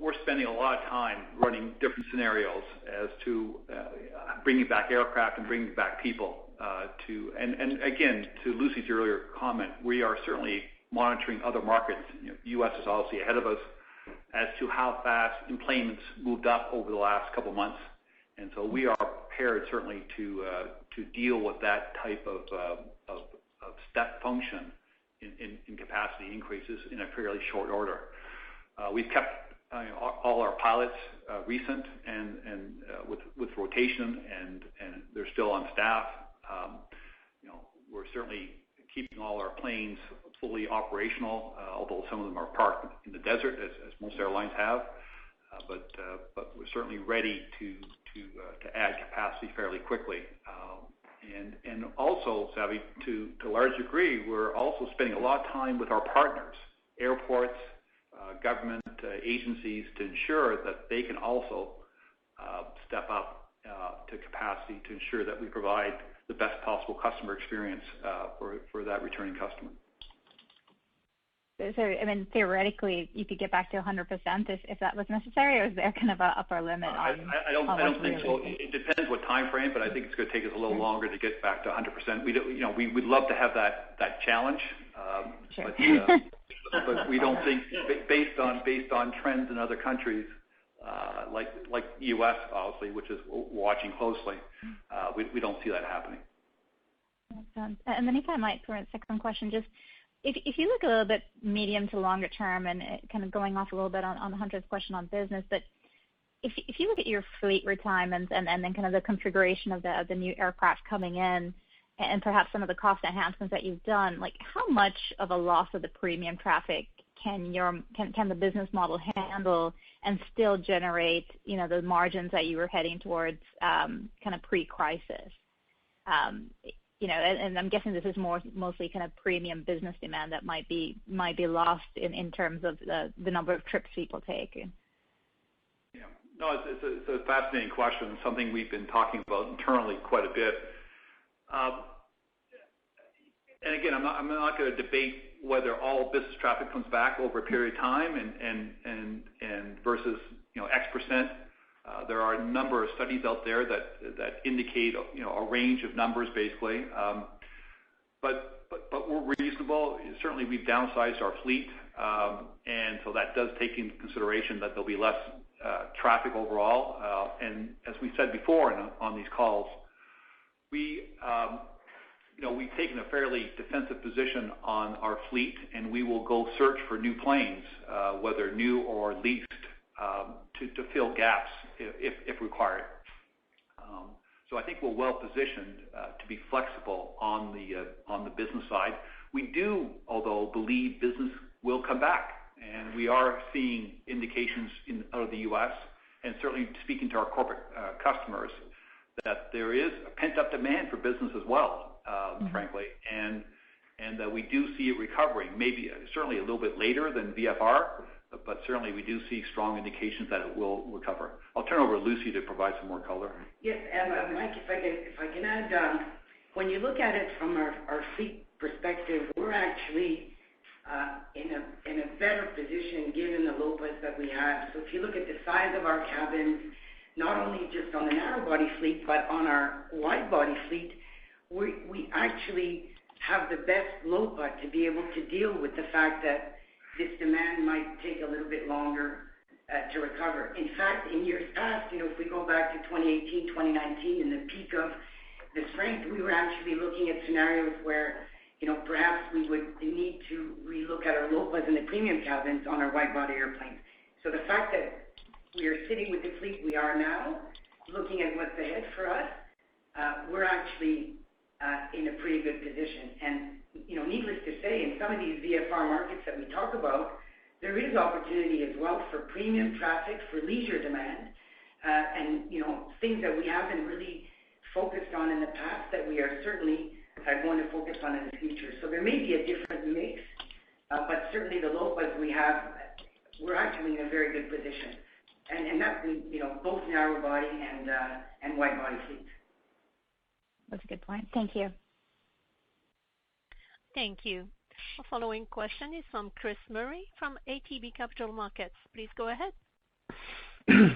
We're spending a lot of time running different scenarios as to bringing back aircraft and bringing back people, too. Again, to Lucie's earlier comment, we are certainly monitoring other markets. U.S. is obviously ahead of us as to how fast employments moved up over the last couple of months. We are prepared certainly to deal with that type of step function in capacity increases in a fairly short order. We've kept all our pilots recent and with rotation, and they're still on staff. We're certainly keeping all our planes fully operational, although some of them are parked in the desert as most airlines have. We're certainly ready to add capacity fairly quickly. Also Savi, to a large degree, we're also spending a lot of time with our partners, airports, government agencies to ensure that they can also step up to capacity to ensure that we provide the best possible customer experience for that returning customer. Is there, I mean, theoretically, you could get back to 100% if that was necessary, or is there kind of a upper limit on how much? It depends what time frame, but I think it's going to take us a little longer to get back to 100%. We'd love to have that challenge. Sure. We don't think based on trends in other countries, like U.S. obviously, which is watching closely, we don't see that happening. Understood. Then if I might throw in a second question, just if you look a little bit medium to longer term, and kind of going off a little bit on Hunter's question on business, but if you look at your fleet retirements and then kind of the configuration of the new aircraft coming in and perhaps some of the cost enhancements that you've done, how much of a loss of the premium traffic can the business model handle and still generate those margins that you were heading towards kind of pre-crisis? I'm guessing this is mostly kind of premium business demand that might be lost in terms of the number of trips people take. No, it's a fascinating question, something we've been talking about internally quite a bit. Again, I'm not going to debate whether all business traffic comes back over a period of time and versus X percent. There are a number of studies out there that indicate a range of numbers basically. We're reasonable. Certainly, we've downsized our fleet, that does take into consideration that there'll be less traffic overall. As we said before on these calls, we've taken a fairly defensive position on our fleet, we will go search for new planes whether new or leased, to fill gaps if required. I think we're well-positioned to be flexible on the business side. We do, although, believe business will come back, and we are seeing indications out of the U.S. and certainly speaking to our corporate customers that there is a pent-up demand for business as well, frankly, and that we do see it recovering, certainly a little bit later than VFR, but certainly we do see strong indications that it will recover. I'll turn over to Lucie to provide some more color. Yes. Mike, if I can add, when you look at it from our fleet perspective, we're actually in a better position given the load plans that we have. If you look at the size of our cabins, not only just on the narrow-body fleet, but on our wide-body fleet, we actually have the best load plan to be able to deal with the fact that this demand might take a little bit longer to recover. In fact, in years past, if we go back to 2018, 2019 and the peak of the strength, we were actually looking at scenarios where perhaps we would need to relook at our load plans in the premium cabins on our wide-body airplanes. The fact that we are sitting with the fleet we are now, looking at what's ahead for us, we're actually in a pretty good position. Needless to say, in some of these VFR markets that we talk about, there is opportunity as well for premium traffic, for leisure demand, and things that we haven't really focused on in the past that we are certainly going to focus on in the future. There may be a different mix, but certainly the load plans we have, we're actually in a very good position. That's both narrow body and wide-body fleet. That's a good point. Thank you. Thank you. Our following question is from Chris Murray from ATB Capital Markets. Please go ahead.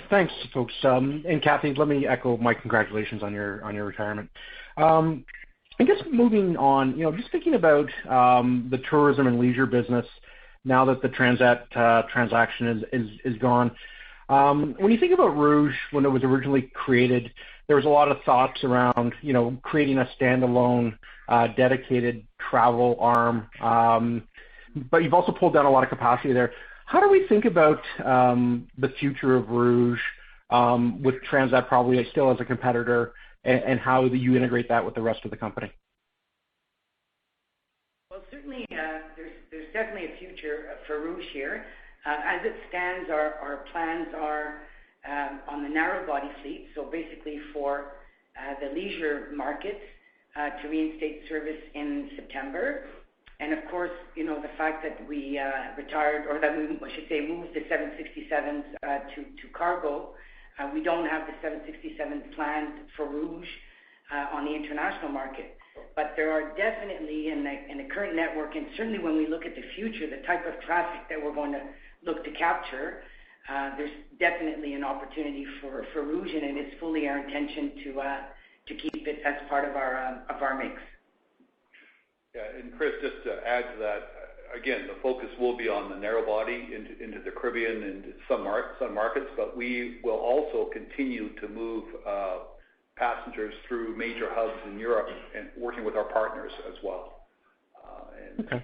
Thanks, folks. Kathy, let me echo Mike, congratulations on your retirement. I guess moving on, just thinking about the tourism and leisure business now that the Transat transaction is gone. When you think about Rouge when it was originally created, there was a lot of thoughts around creating a standalone dedicated travel arm. You've also pulled down a lot of capacity there. How do we think about the future of Rouge with Transat probably still as a competitor, and how do you integrate that with the rest of the company? Certainly, there's definitely a future for Rouge here. As it stands, our plans are on the narrow-body fleet, so basically for the leisure markets, to reinstate service in September. Of course, the fact that we retired, or that we, I should say, moved the 767s to cargo. We don't have the 767s planned for Rouge on the international market. There are definitely in the current network and certainly when we look at the future, the type of traffic that we're going to look to capture, there's definitely an opportunity for Rouge, and it is fully our intention to keep it as part of our mix. Yeah. Chris, just to add to that, again, the focus will be on the narrow body into the Caribbean and some markets, but we will also continue to move passengers through major hubs in Europe and working with our partners as well. Okay.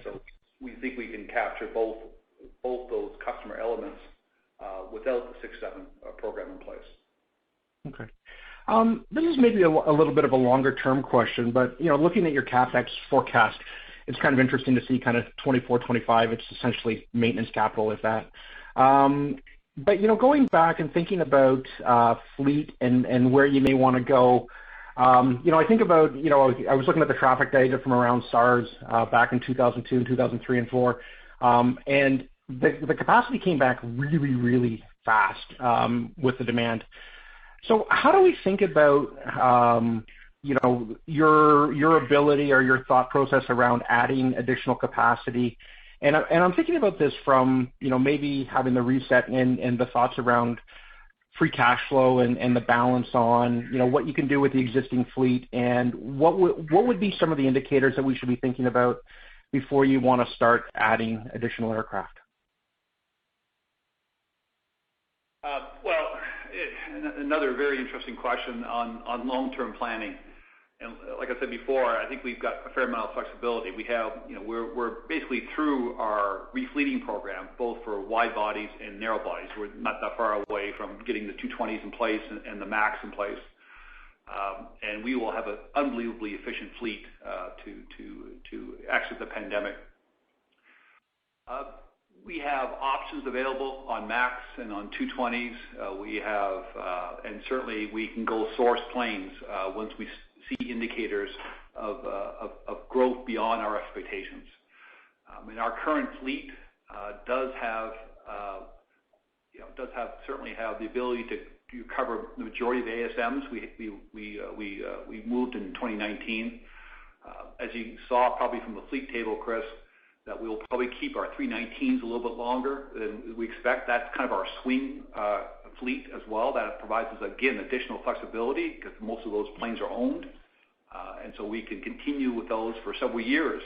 We think we can capture both those customer elements without the 767 program in place. Okay. This is maybe a little bit of a longer-term question, looking at your CapEx forecast, it's kind of interesting to see kind of 2024, 2025, it's essentially maintenance capital is that. Going back and thinking about fleet and where you may want to go, I was looking at the traffic data from around SARS back in 2002 and 2003 and 2004. The capacity came back really, really fast with the demand. How do we think about your ability or your thought process around adding additional capacity? I'm thinking about this from maybe having the reset and the thoughts around free cash flow and the balance on what you can do with the existing fleet and what would be some of the indicators that we should be thinking about before you want to start adding additional aircraft? Well, another very interesting question on long-term planning. Like I said before, I think we've got a fair amount of flexibility. We're basically through our repleting program, both for wide bodies and narrow bodies. We're not that far away from getting the A220s in place and the MAX in place. We will have an unbelievably efficient fleet to exit the pandemic. We have options available on MAX and on A220s. Certainly, we can go source planes once we see indicators of growth beyond our expectations. Our current fleet does certainly have the ability to cover the majority of the ASMs. We moved in 2019. As you saw probably from the fleet table, Chris, that we'll probably keep our A319s a little bit longer than we expect. That's kind of our swing fleet as well. That provides us, again, additional flexibility because most of those planes are owned. We can continue with those for several years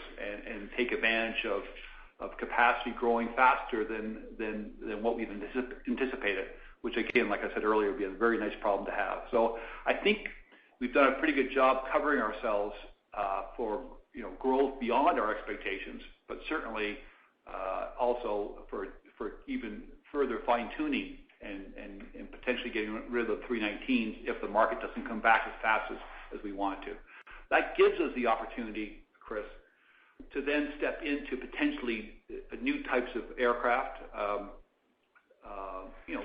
and take advantage of capacity growing faster than what we've anticipated, which again, like I said earlier, would be a very nice problem to have. I think we've done a pretty good job covering ourselves for growth beyond our expectations, but certainly also for even further fine-tuning and potentially getting rid of the 319s if the market doesn't come back as fast as we want it to. That gives us the opportunity, Chris, to step into potentially new types of aircraft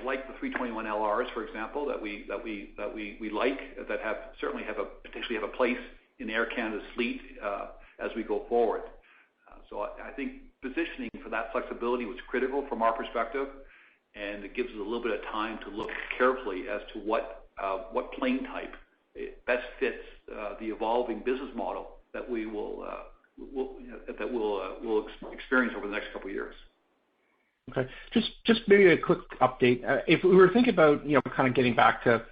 like the 321LRs, for example, that we like, that certainly potentially have a place in Air Canada's fleet as we go forward. I think positioning for that flexibility was critical from our perspective, and it gives us a little bit of time to look carefully as to what plane type best fits the evolving business model that we'll experience over the next couple of years. Okay. Just maybe a quick update. If we were thinking about getting back to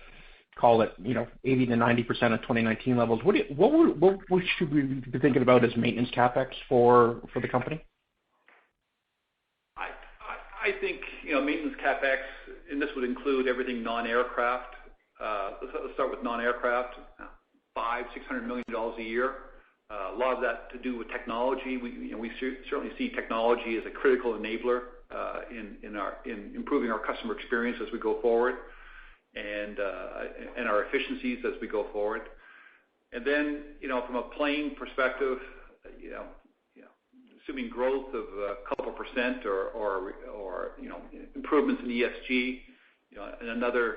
call it 80%-90% of 2019 levels, what should we be thinking about as maintenance CapEx for the company? I think maintenance CapEx, this would include everything non-aircraft. Let's start with non-aircraft. 500 million-600 million dollars a year. A lot of that to do with technology. We certainly see technology as a critical enabler in improving our customer experience as we go forward and our efficiencies as we go forward. From a plane perspective, assuming growth of a couple of % or improvements in ESG, another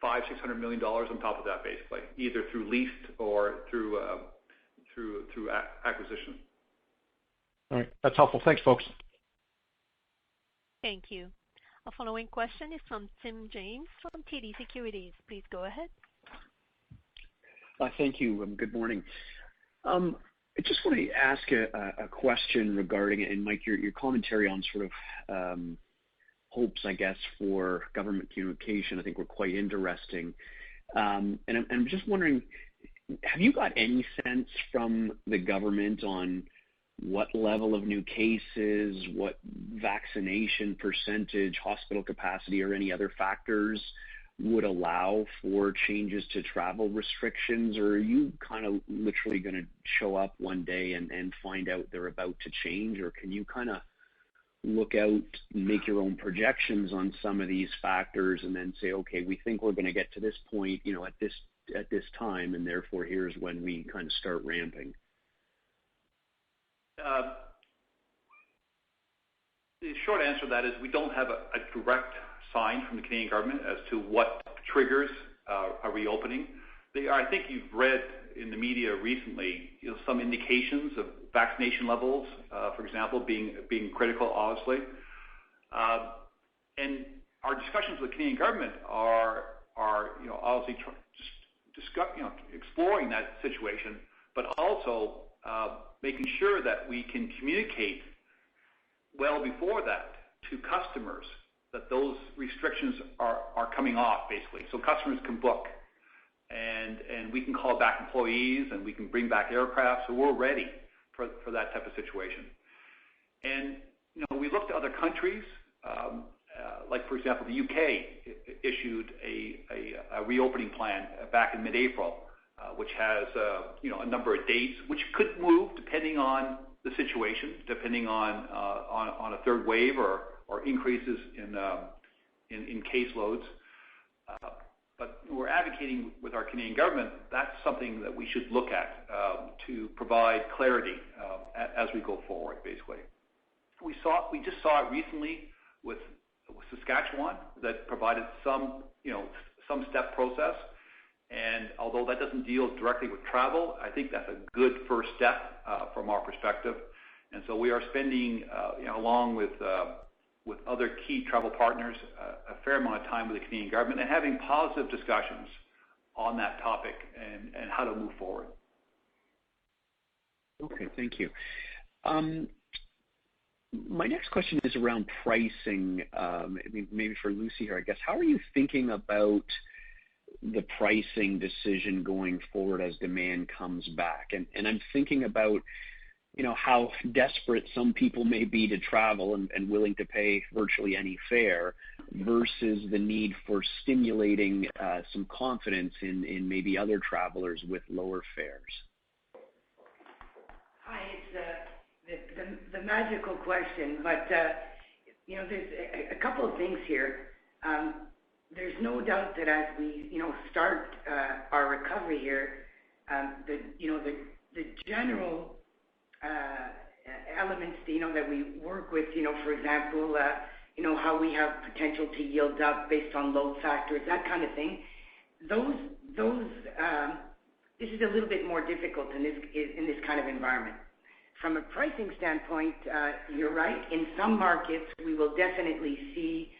500 million-600 million dollars on top of that base, either through leased or through acquisition. All right. That's helpful. Thanks, folks. Thank you. Our following question is from Tim James from TD Securities. Please go ahead. Thank you. Good morning. I just want to ask a question regarding, Mike, your commentary on sort of hopes, I guess, for government communication I think were quite interesting. I'm just wondering, have you got any sense from the government on what level of new cases, what vaccination percentage, hospital capacity, or any other factors would allow for changes to travel restrictions? Are you kind of literally going to show up one day and find out they're about to change? Can you kind of look out and make your own projections on some of these factors and then say, "Okay, we think we're going to get to this point at this time, and therefore here's when we start ramping"? The short answer to that is we don't have a direct sign from the Canadian government as to what triggers a reopening. I think you've read in the media recently some indications of vaccination levels for example, being critical, obviously. Our discussions with the Canadian government are obviously exploring that situation, but also making sure that we can communicate well before that to customers that those restrictions are coming off, basically. Customers can book, and we can call back employees, and we can bring back aircraft so we're ready for that type of situation. We look to other countries. For example, the U.K. issued a reopening plan back in mid-April which has a number of dates which could move depending on the situation, depending on a third wave or increases in caseloads. We're advocating with our Canadian Government that's something that we should look at to provide clarity as we go forward, basically. We just saw it recently with Saskatchewan that provided some step process, and although that doesn't deal directly with travel, I think that's a good first step from our perspective. We are spending, along with other key travel partners, a fair amount of time with the Canadian Government and having positive discussions on that topic and how to move forward. Okay. Thank you. My next question is around pricing. Maybe for Lucie here, I guess. How are you thinking about the pricing decision going forward as demand comes back? I'm thinking about how desperate some people may be to travel and willing to pay virtually any fare versus the need for stimulating some confidence in maybe other travelers with lower fares. Hi, it's the magical question. There's a couple of things here. There's no doubt that as we start our recovery here, the general elements that we work with, for example how we have potential to yield up based on load factors, that kind of thing. This is a little bit more difficult in this kind of environment. From a pricing standpoint, you're right. In some markets, we will definitely see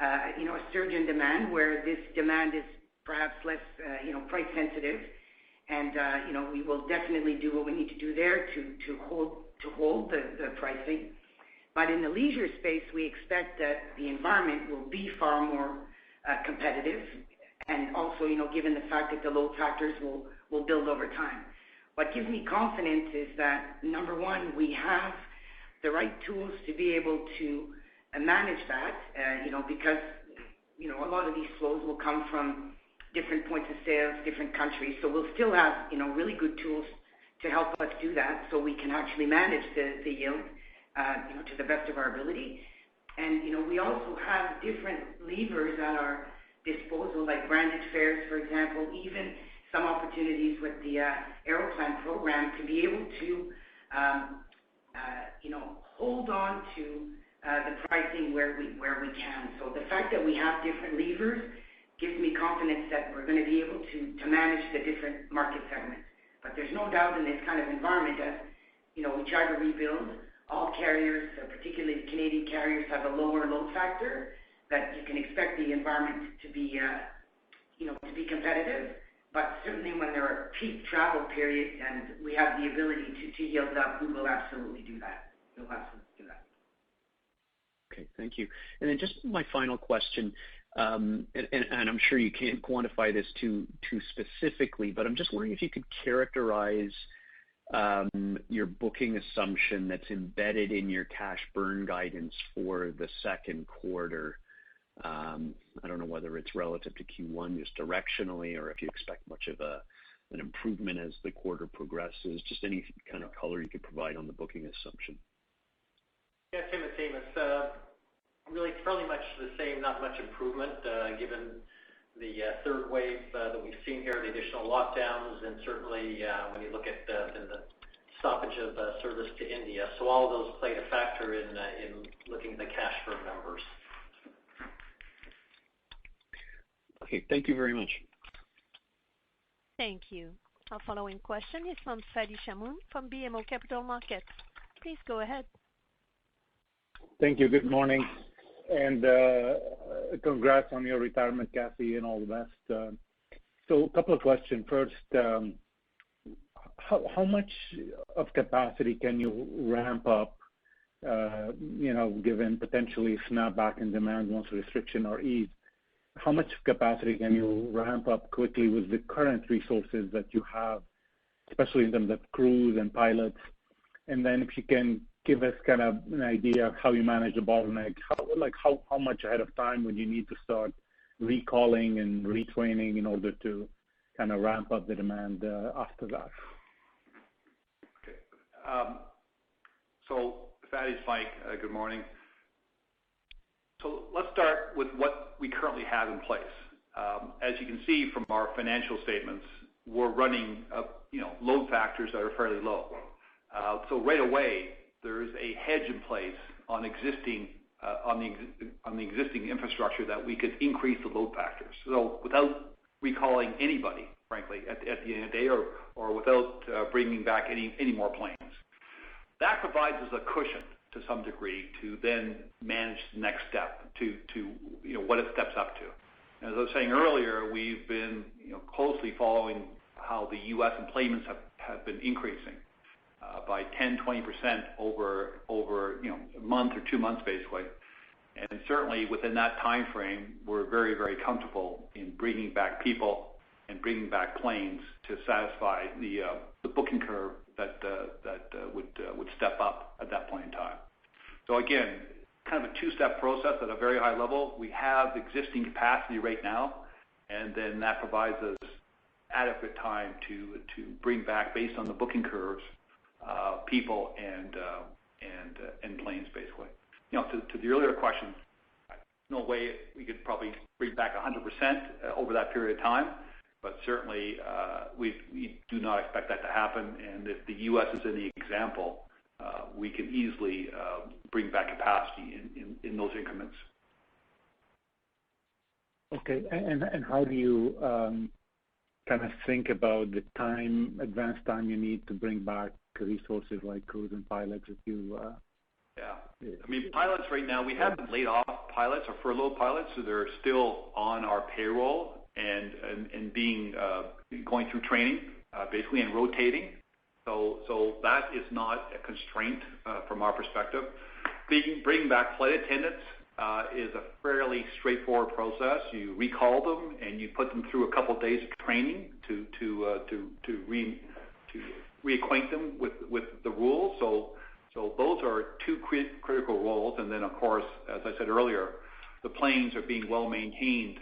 a surge in demand where this demand is perhaps less price sensitive, and we will definitely do what we need to do there to hold the pricing. In the leisure space, we expect that the environment will be far more competitive, and also given the fact that the load factors will build over time. What gives me confidence is that, number one, we have the right tools to be able to manage that, because a lot of these flows will come from different points of sales, different countries. We'll still have really good tools to help us do that so we can actually manage the yield to the best of our ability. We also have different levers at our disposal, like branded fares, for example, even some opportunities with the Aeroplan program to be able to hold on to the pricing where we can. The fact that we have different levers gives me confidence that we're going to be able to manage the different market segments. There's no doubt in this kind of environment that we try to rebuild. All carriers, particularly Canadian carriers, have a lower load factor that you can expect the environment to be competitive. Certainly when there are peak travel periods and we have the ability to yield up, we will absolutely do that. Okay. Thank you. My final question, I am sure you can't quantify this too specifically, I am just wondering if you could characterize your booking assumption that's embedded in your cash burn guidance for the second quarter. I don't know whether it's relative to Q1 just directionally if you expect much of an improvement as the quarter progresses. Any kind of color you could provide on the booking assumption. Yes, Tim, it's Amos. Really, it's fairly much the same, not much improvement, given the third wave that we've seen here, the additional lockdowns, and certainly when you look at the stoppage of service to India. All of those play a factor in looking at the cash flow numbers. Okay. Thank you very much. Thank you. Our following question is from Fadi Chamoun from BMO Capital Markets. Please go ahead. Thank you. Good morning. Congrats on your retirement, Kathy, and all the best. A couple of questions. First, how much of capacity can you ramp up given potentially snap back in demand once restrictions are eased? How much capacity can you ramp up quickly with the current resources that you have, especially in terms of crews and pilots? If you can give us kind of an idea of how you manage the bottleneck. How much ahead of time would you need to start recalling and retraining in order to ramp up the demand after that? Okay. Fadi, Mike, good morning. Let's start with what we currently have in place. As you can see from our financial statements, we're running load factors that are fairly low. Right away, there is a hedge in place on the existing infrastructure that we could increase the load factors without recalling anybody, frankly, at the end of the day or without bringing back any more planes. That provides us a cushion to some degree to then manage the next step to what it steps up to. As I was saying earlier, we've been closely following how the U.S. employments have been increasing by 10%, 20% over a month or two months basically. Certainly within that time frame, we're very comfortable in bringing back people and bringing back planes to satisfy the booking curve that would step up at that point in time. Again, kind of a two-step process at a very high level. We have existing capacity right now, and then that provides us adequate time to bring back based on the booking curves, people and planes basically. To the earlier question, no way we could probably bring back 100% over that period of time, but certainly, we do not expect that to happen. If the U.S. is any example, we can easily bring back capacity in those increments. Okay. How do you think about the advanced time you need to bring back resources like crews and pilots? Yeah. Pilots right now, we haven't laid off pilots or furloughed pilots, so they're still on our payroll and going through training, basically, and rotating. That is not a constraint from our perspective. Bringing back flight attendants is a fairly straightforward process. You recall them, and you put them through a couple of days of training to reacquaint them with the rules. Those are two critical roles. Of course, as I said earlier, the planes are being well-maintained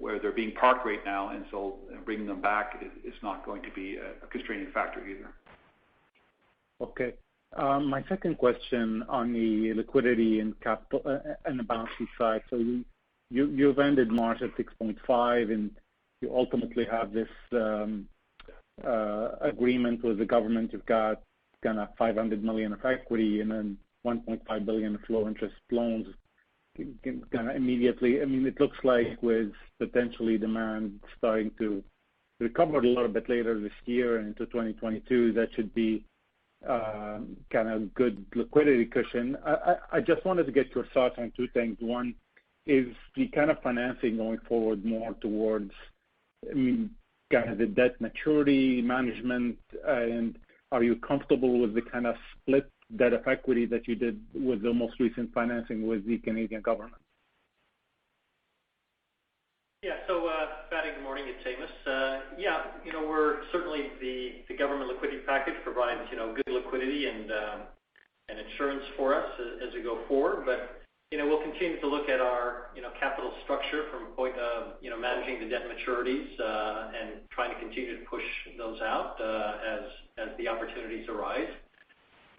where they're being parked right now, and so bringing them back is not going to be a constraining factor either. My second question on the liquidity and the balance sheet side. You've ended March at 6.5 billion and you ultimately have this agreement with the government, you've got 500 million of equity and then 1.5 billion of low-interest loans immediately. It looks like with potentially demand starting to recover a little bit later this year into 2022, that should be a good liquidity cushion. I just wanted to get your thoughts on two things. One, is the kind of financing going forward more towards the debt maturity management, and are you comfortable with the kind of split debt equity that you did with the most recent financing with the Canadian government? Yeah. Fadi, good morning. It's Amos. Yeah, certainly the government liquidity package provides good liquidity and insurance for us as we go forward. We'll continue to look at our capital structure from a point of managing the debt maturities, and trying to continue to push those out as the opportunities arise.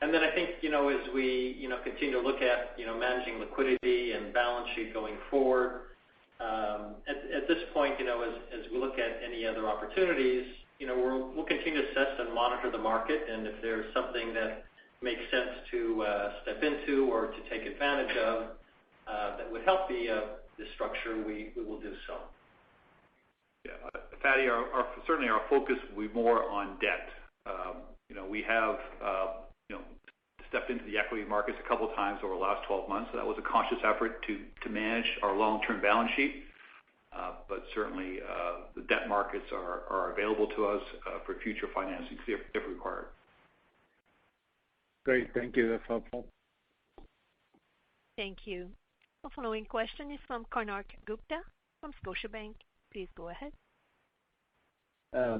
I think, as we continue to look at managing liquidity and balance sheet going forward, at this point, as we look at any other opportunities, we'll continue to assess and monitor the market, and if there's something that makes sense to step into or to take advantage of that would help the structure, we will do so. Yeah. Fadi, certainly our focus will be more on debt. We have stepped into the equity markets a couple of times over the last 12 months. That was a conscious effort to manage our long-term balance sheet. Certainly, the debt markets are available to us for future financings if required. Great. Thank you. That's helpful. Thank you. Our following question is from Konark Gupta from Scotiabank. Please go ahead.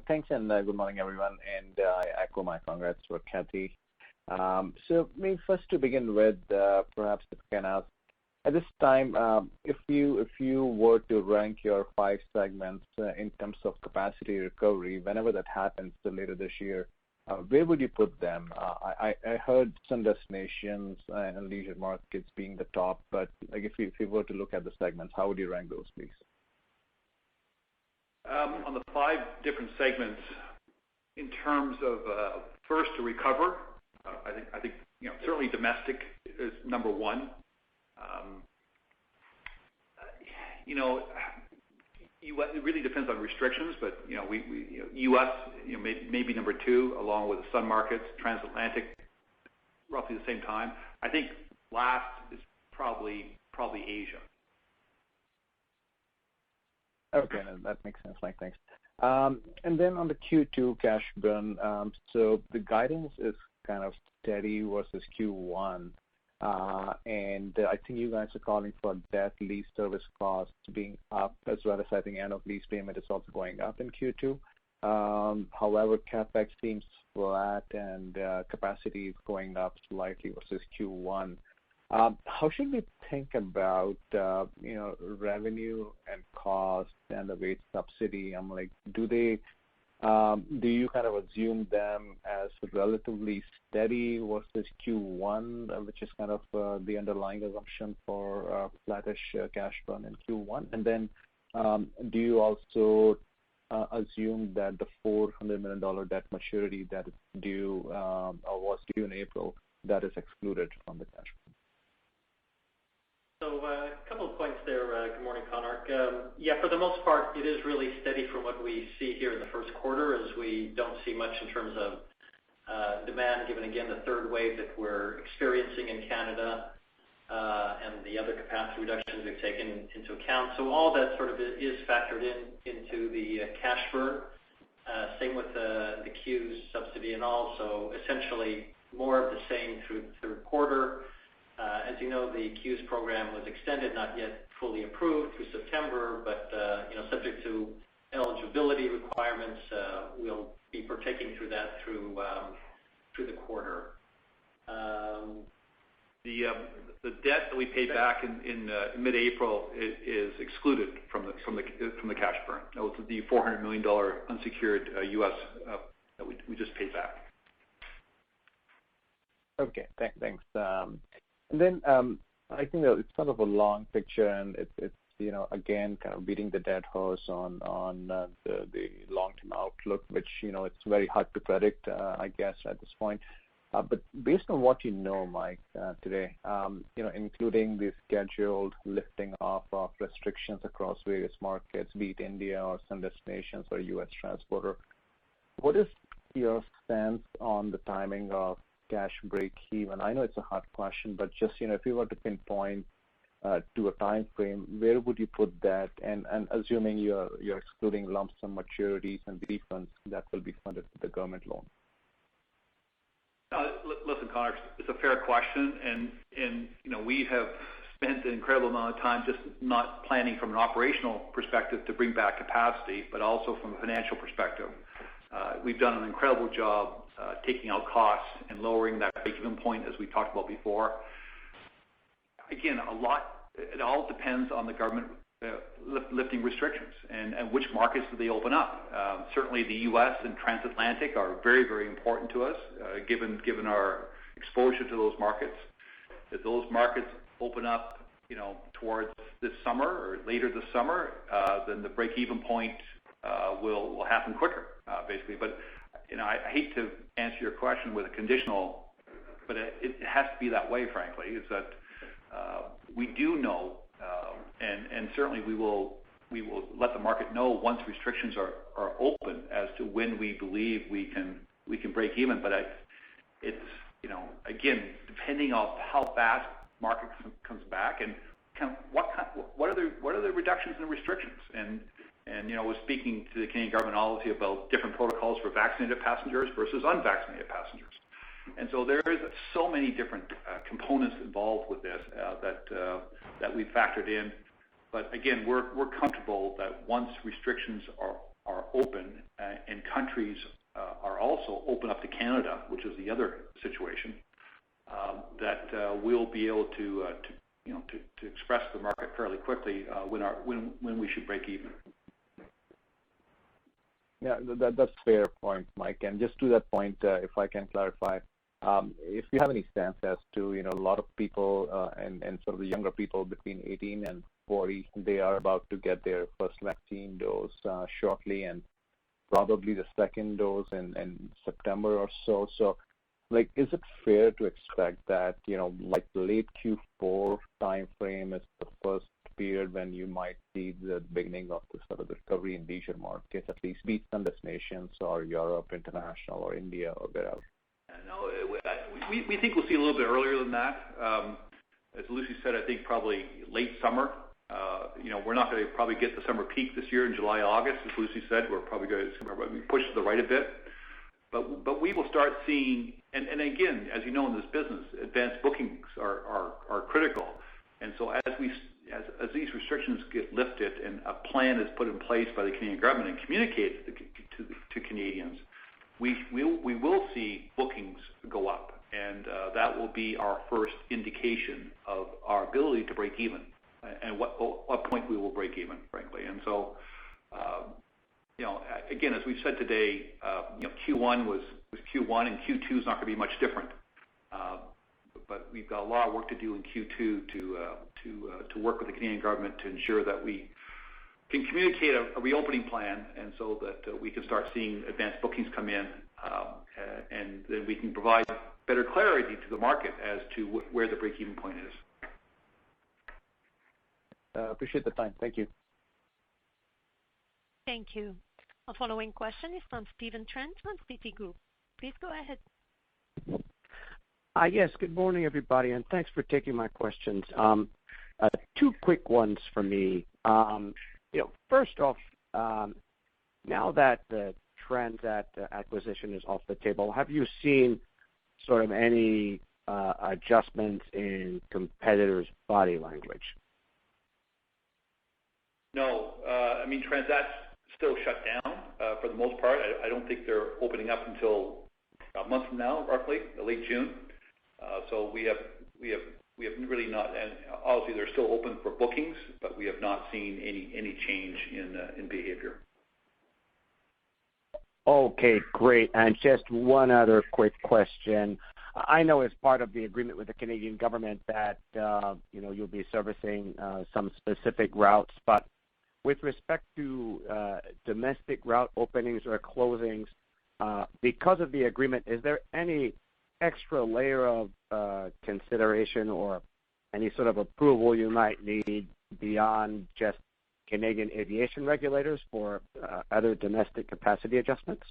Thanks, and good morning, everyone, and I echo my congrats for Kathy. Maybe first to begin with, perhaps to [can out]. At this time, if you were to rank your five segments in terms of capacity recovery, whenever that happens later this year, where would you put them? I heard some destinations and leisure markets being the top, but if you were to look at the segments, how would you rank those, please? On the five different segments in terms of first to recover, I think certainly domestic is number one. It really depends on restrictions, U.S. may be number two, along with the sun markets, transatlantic, roughly the same time. I think last is probably Asia. Okay. No, that makes sense, Michael. Thanks. On the Q2 cash burn, the guidance is kind of steady versus Q1. I think you guys are calling for debt lease service cost being up as well as I think end of lease payment is also going up in Q2. However, CapEx seems flat and capacity is going up slightly versus Q1. How should we think about revenue and cost and the wage subsidy? Do you assume them as relatively steady versus Q1, which is kind of the underlying assumption for a flattish cash burn in Q1? Do you also assume that the 400 million dollar debt maturity that was due in April, that is excluded from the cash burn? A couple of points there. Good morning, Konark. For the most part, it is really steady from what we see here in the first quarter as we don't see much in terms of demand given again the third wave that we're experiencing in Canada, and the other capacity reductions we've taken into account. All that sort of is factored into the cash burn. Same with the CEWS subsidy and all. Essentially, more of the same through the quarter. As you know, the CEWS program was extended, not yet fully approved through September, but subject to eligibility requirements, we'll be partaking through that through the quarter. The debt that we paid back in mid-April, is excluded from the cash burn, the $400 million unsecured U.S. that we just paid back. Okay, thanks. I think that it's sort of a long picture and it's, again, kind of beating the dead horse on the long-term outlook, which it's very hard to predict, I guess, at this point. Based on what you know, Mike, today, including the scheduled lifting of restrictions across various markets, be it India or some destinations or U.S. transborder, what is your stance on the timing of cash break-even? I know it's a hard question, but just if you were to pinpoint to a timeframe, where would you put that? Assuming you're excluding lump sum maturities and refunds that will be funded through the government loan. Listen, Konark, it's a fair question. We have spent an incredible amount of time just not planning from an operational perspective to bring back capacity, but also from a financial perspective. We've done an incredible job taking out costs and lowering that break-even point as we talked about before. It all depends on the government lifting restrictions and which markets do they open up. Certainly, the U.S. and transatlantic are very important to us given our exposure to those markets. If those markets open up towards this summer or later this summer, then the break-even point will happen quicker, basically. I hate to answer your question with a conditional, but it has to be that way, frankly, is that we do know, certainly we will let the market know once restrictions are open as to when we believe we can break-even. It's, again, depending on how fast market comes back and what are the reductions in restrictions. I was speaking to the Canadian government, obviously, about different protocols for vaccinated passengers versus unvaccinated passengers. There is so many different components involved with this that we've factored in. Again, we're comfortable that once restrictions are open and countries are also open up to Canada, which is the other situation, that we'll be able to express the market fairly quickly when we should break even. Yeah. That's a fair point, Mike. Just to that point, if I can clarify, if you have any stance as to a lot of people and sort of the younger people between 18 and 40, they are about to get their first vaccine dose shortly, and probably the second dose in September or so. Is it fair to expect that late Q4 timeframe is the first period when you might see the beginning of the sort of recovery in leisure markets, at least beach and destinations or Europe International or India or wherever? No. We think we'll see a little bit earlier than that. As Lucie said, I think probably late summer. We're not going to probably get the summer peak this year in July, August, as Lucie said, we're probably going to push to the right a bit. We will start seeing, and again, as you know in this business, advanced bookings are critical. As these restrictions get lifted and a plan is put in place by the Canadian government and communicated to Canadians, we will see bookings go up, and that will be our first indication of our ability to break even and what point we will break even, frankly. Again, as we've said today, Q1 was Q1, and Q2 is not going to be much different. We've got a lot of work to do in Q2 to work with the Canadian government to ensure that we can communicate a reopening plan and so that we can start seeing advanced bookings come in, and then we can provide better clarity to the market as to where the breakeven point is. Appreciate the time. Thank you. Thank you. Our following question is from Stephen Trent from Citigroup. Please go ahead. Yes. Good morning, everybody. Thanks for taking my questions. Two quick ones for me. First off, now that Transat acquisition is off the table, have you seen sort of any adjustments in competitors' body language? No. Transat's still shut down for the most part. I don't think they're opening up until about a month from now, roughly, late June. Obviously, they're still open for bookings, but we have not seen any change in behavior. Okay, great. Just one other quick question. I know as part of the agreement with the Canadian government that you will be servicing some specific routes. With respect to domestic route openings or closings because of the agreement, is there any extra layer of consideration or any sort of approval you might need beyond just Canadian aviation regulators for other domestic capacity adjustments?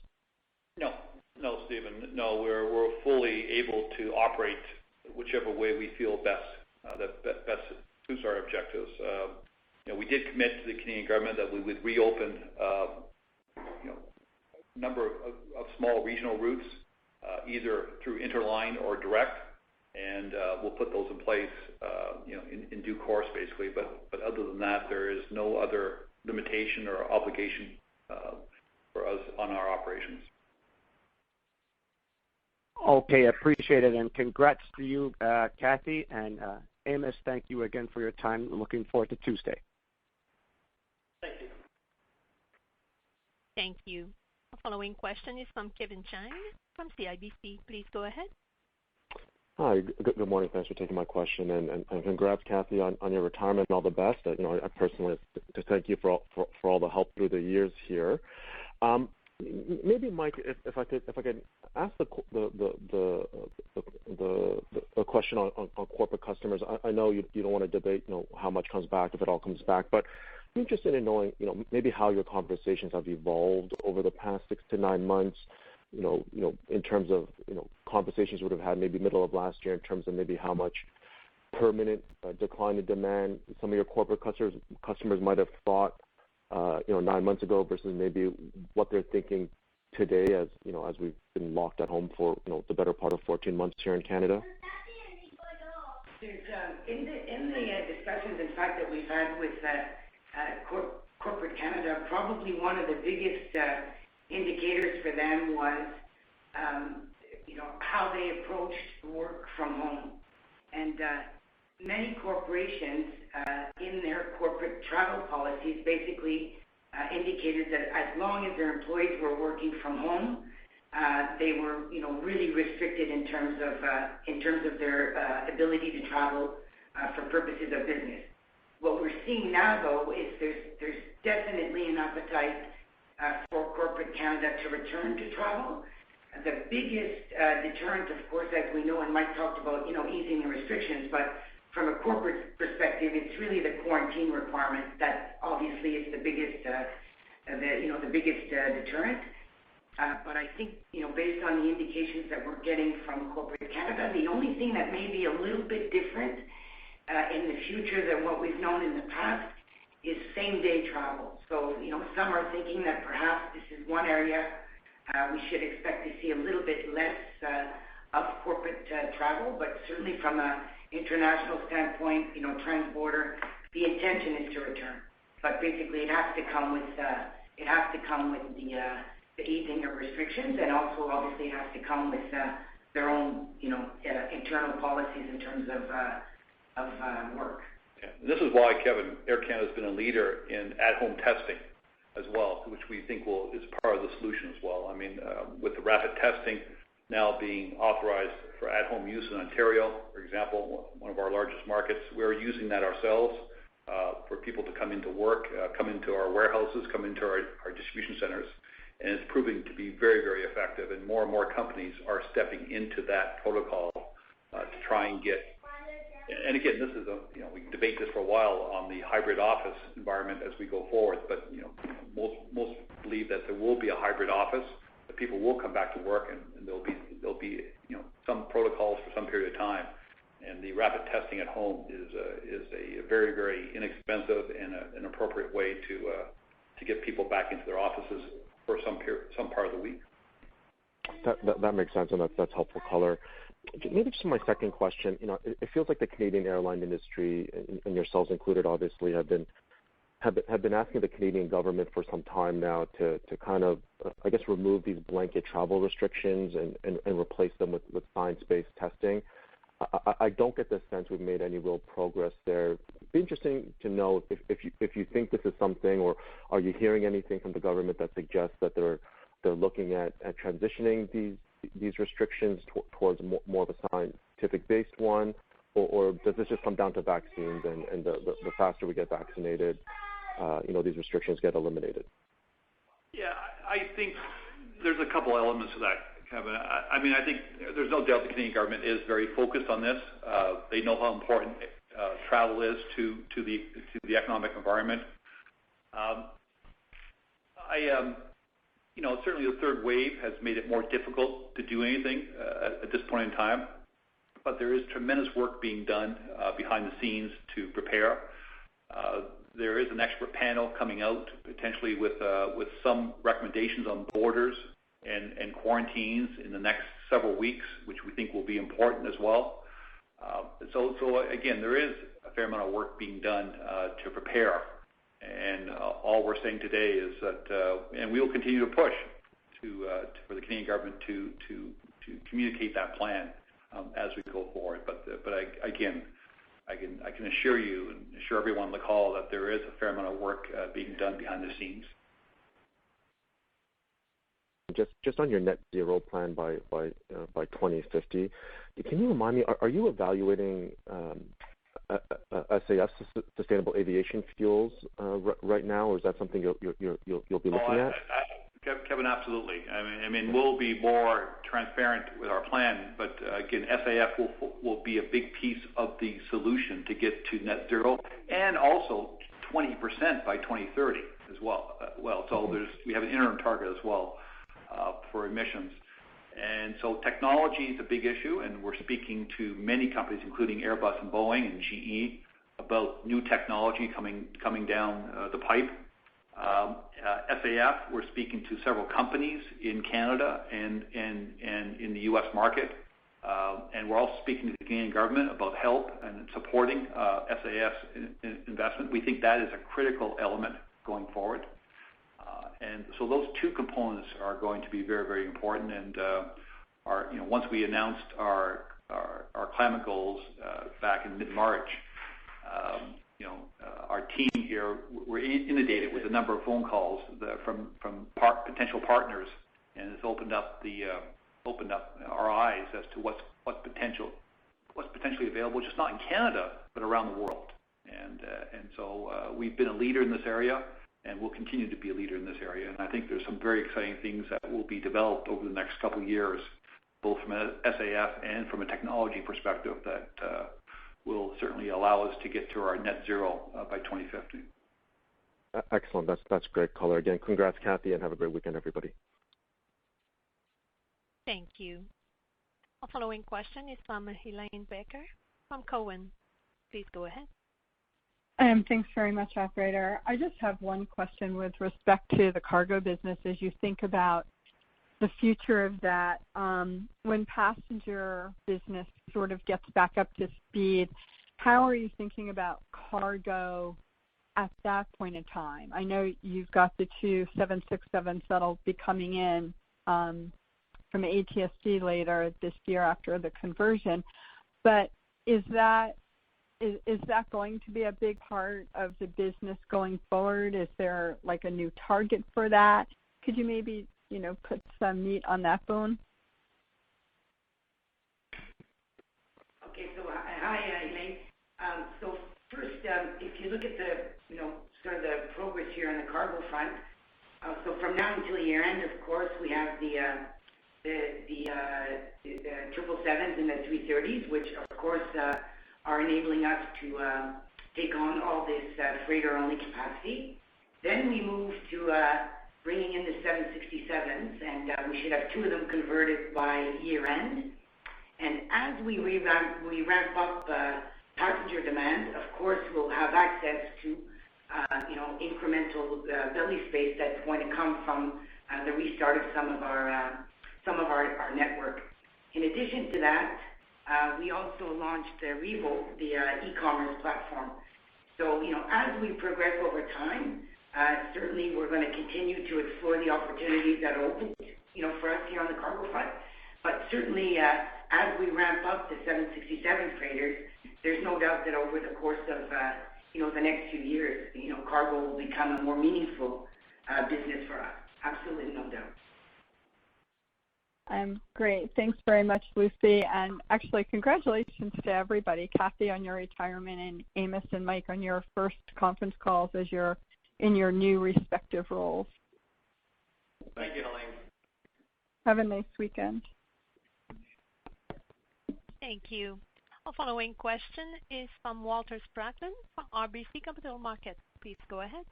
No. No, Stephen, no, we're fully able to operate whichever way we feel best suits our objectives. We did commit to the Canadian government that we would reopen a number of small regional routes either through interline or direct, and we'll put those in place in due course, basically. Other than that, there is no other limitation or obligation for us on our operations. Okay, appreciate it. Congrats to you, Kathy and Amos. Thank you again for your time. Looking forward to Tuesday. Thank you. Thank you. Our following question is from Kevin Chiang from CIBC. Please go ahead. Hi. Good morning. Thanks for taking my question, and congrats, Kathy, on your retirement and all the best. I personally just thank you for all the help through the years here. Maybe, Mike, if I can ask a question on corporate customers. I know you don't want to debate how much comes back, if it all comes back. I'm interested in knowing maybe how your conversations have evolved over the past six to nine months, in terms of conversations you would have had maybe middle of last year in terms of maybe how much permanent decline in demand some of your corporate customers might have thought nine months ago versus maybe what they're thinking today as we've been locked at home for the better part of 14 months here in Canada. In the discussions, in fact, that we've had with corporate Canada, probably one of the biggest indicators for them was how they approached work from home. Many corporations in their corporate travel policies basically indicated that as long as their employees were working from home, they were really restricted in terms of their ability to travel for purposes of business. What we're seeing now, though, is there's definitely an appetite for corporate Canada to return to travel. The biggest deterrent, of course, as we know, Mike talked about easing the restrictions. From a corporate perspective, it's really the quarantine requirement that obviously is the biggest deterrent. I think, based on the indications that we're getting from corporate Canada, the only thing that may be a little bit different in the future than what we've known in the past is same-day travel. Some are thinking that perhaps this is one area we should expect to see a little bit less of corporate travel. Certainly from an international standpoint, transborder, the intention is to return. Basically, it has to come with the easing of restrictions and also obviously has to come with their own internal policies in terms of work. This is why, Kevin Chiang, Air Canada has been a leader in at-home testing as well, which we think is part of the solution as well. With the rapid testing now being authorized for at-home use in Ontario, for example, one of our largest markets, we're using that ourselves for people to come into work, come into our warehouses, come into our distribution centers, and it's proving to be very, very effective. More and more companies are stepping into that protocol to try. Again, we can debate this for a while on the hybrid office environment as we go forward, but most believe that there will be a hybrid office, that people will come back to work, and there'll be some protocols for some period of time. The rapid testing at home is a very, very inexpensive and an appropriate way to get people back into their offices for some part of the week. That makes sense, and that's helpful color. Maybe just for my second question. It feels like the Canadian airline industry, and yourselves included, obviously, have been asking the Canadian Government for some time now to, I guess, remove these blanket travel restrictions and replace them with science-based testing. I don't get the sense we've made any real progress there. It'd be interesting to know if you think this is something, or are you hearing anything from the Government that suggests that they're looking at transitioning these restrictions towards more of a scientific-based one, or does this just come down to vaccines and the faster we get vaccinated, these restrictions get eliminated? Yeah. I think there's a couple elements to that, Kevin. I think there's no doubt the Canadian government is very focused on this. They know how important travel is to the economic environment. Certainly, the third wave has made it more difficult to do anything at this point in time, but there is tremendous work being done behind the scenes to prepare. There is an expert panel coming out potentially with some recommendations on borders and quarantines in the next several weeks, which we think will be important as well. Again, there is a fair amount of work being done to prepare, and all we're saying today is that we will continue to push for the Canadian government to communicate that plan as we go forward. Again, I can assure you and assure everyone on the call that there is a fair amount of work being done behind the scenes. Just on your net zero plan by 2050, can you remind me, are you evaluating SAF, sustainable aviation fuels right now, or is that something you'll be looking at? Kevin, absolutely. We'll be more transparent with our plan, but again, SAF will be a big piece of the solution to get to net zero and also 20% by 2030 as well. We have an interim target as well for emissions. Technology is a big issue, and we're speaking to many companies, including Airbus and Boeing and GE, about new technology coming down the pipe. SAF, we're speaking to several companies in Canada and in the U.S. market, and we're also speaking to the Canadian government about help and supporting SAF investment. We think that is a critical element going forward. Those two components are going to be very, very important. Once we announced our climate goals back in mid-March, our team here were inundated with a number of phone calls from potential partners, and it's opened up our eyes as to what's potentially available, which is not in Canada but around the world. We've been a leader in this area, and we'll continue to be a leader in this area. I think there's some very exciting things that will be developed over the next couple of years, both from a SAF and from a technology perspective that will certainly allow us to get to our net zero by 2050. Excellent. That's great color. Congrats, Kathy, and have a great weekend, everybody. Thank you. Our following question is from Helane Becker from Cowen. Please go ahead. Thanks very much, operator. I just have one question with respect to the cargo business as you think about the future of that. When passenger business sort of gets back up to speed, how are you thinking about cargo at that point in time? I know you've got the two 767s that'll be coming in from ATSG later this year after the conversion. Is that going to be a big part of the business going forward? Is there a new target for that? Could you maybe put some meat on that bone? Okay. Hi, Helane Becker. First, if you look at the progress here on the cargo front. From now until year-end, of course, we have the 777s and the A330s, which of course, are enabling us to take on all this freighter-only capacity. We move to bringing in the 767s, and we should have two of them converted by year-end. As we ramp up passenger demand, of course, we'll have access to incremental belly space that's going to come from the restart of some of our network. In addition to that, we also launched the Rivo, the e-commerce platform. As we progress over time, certainly we're going to continue to explore the opportunities that opened for us here on the cargo front. Certainly, as we ramp up the 767 freighters, there's no doubt that over the course of the next few years, cargo will become a more meaningful business for us. Absolutely no doubt. Great. Thanks very much, Lucie. Actually, congratulations to everybody. Kathy, on your retirement, and Amos and Mike, on your first conference calls in your new respective roles. Thank you, Helane. Have a nice weekend. Thank you. Our following question is from Walter Spracklin from RBC Capital Markets. Please go ahead.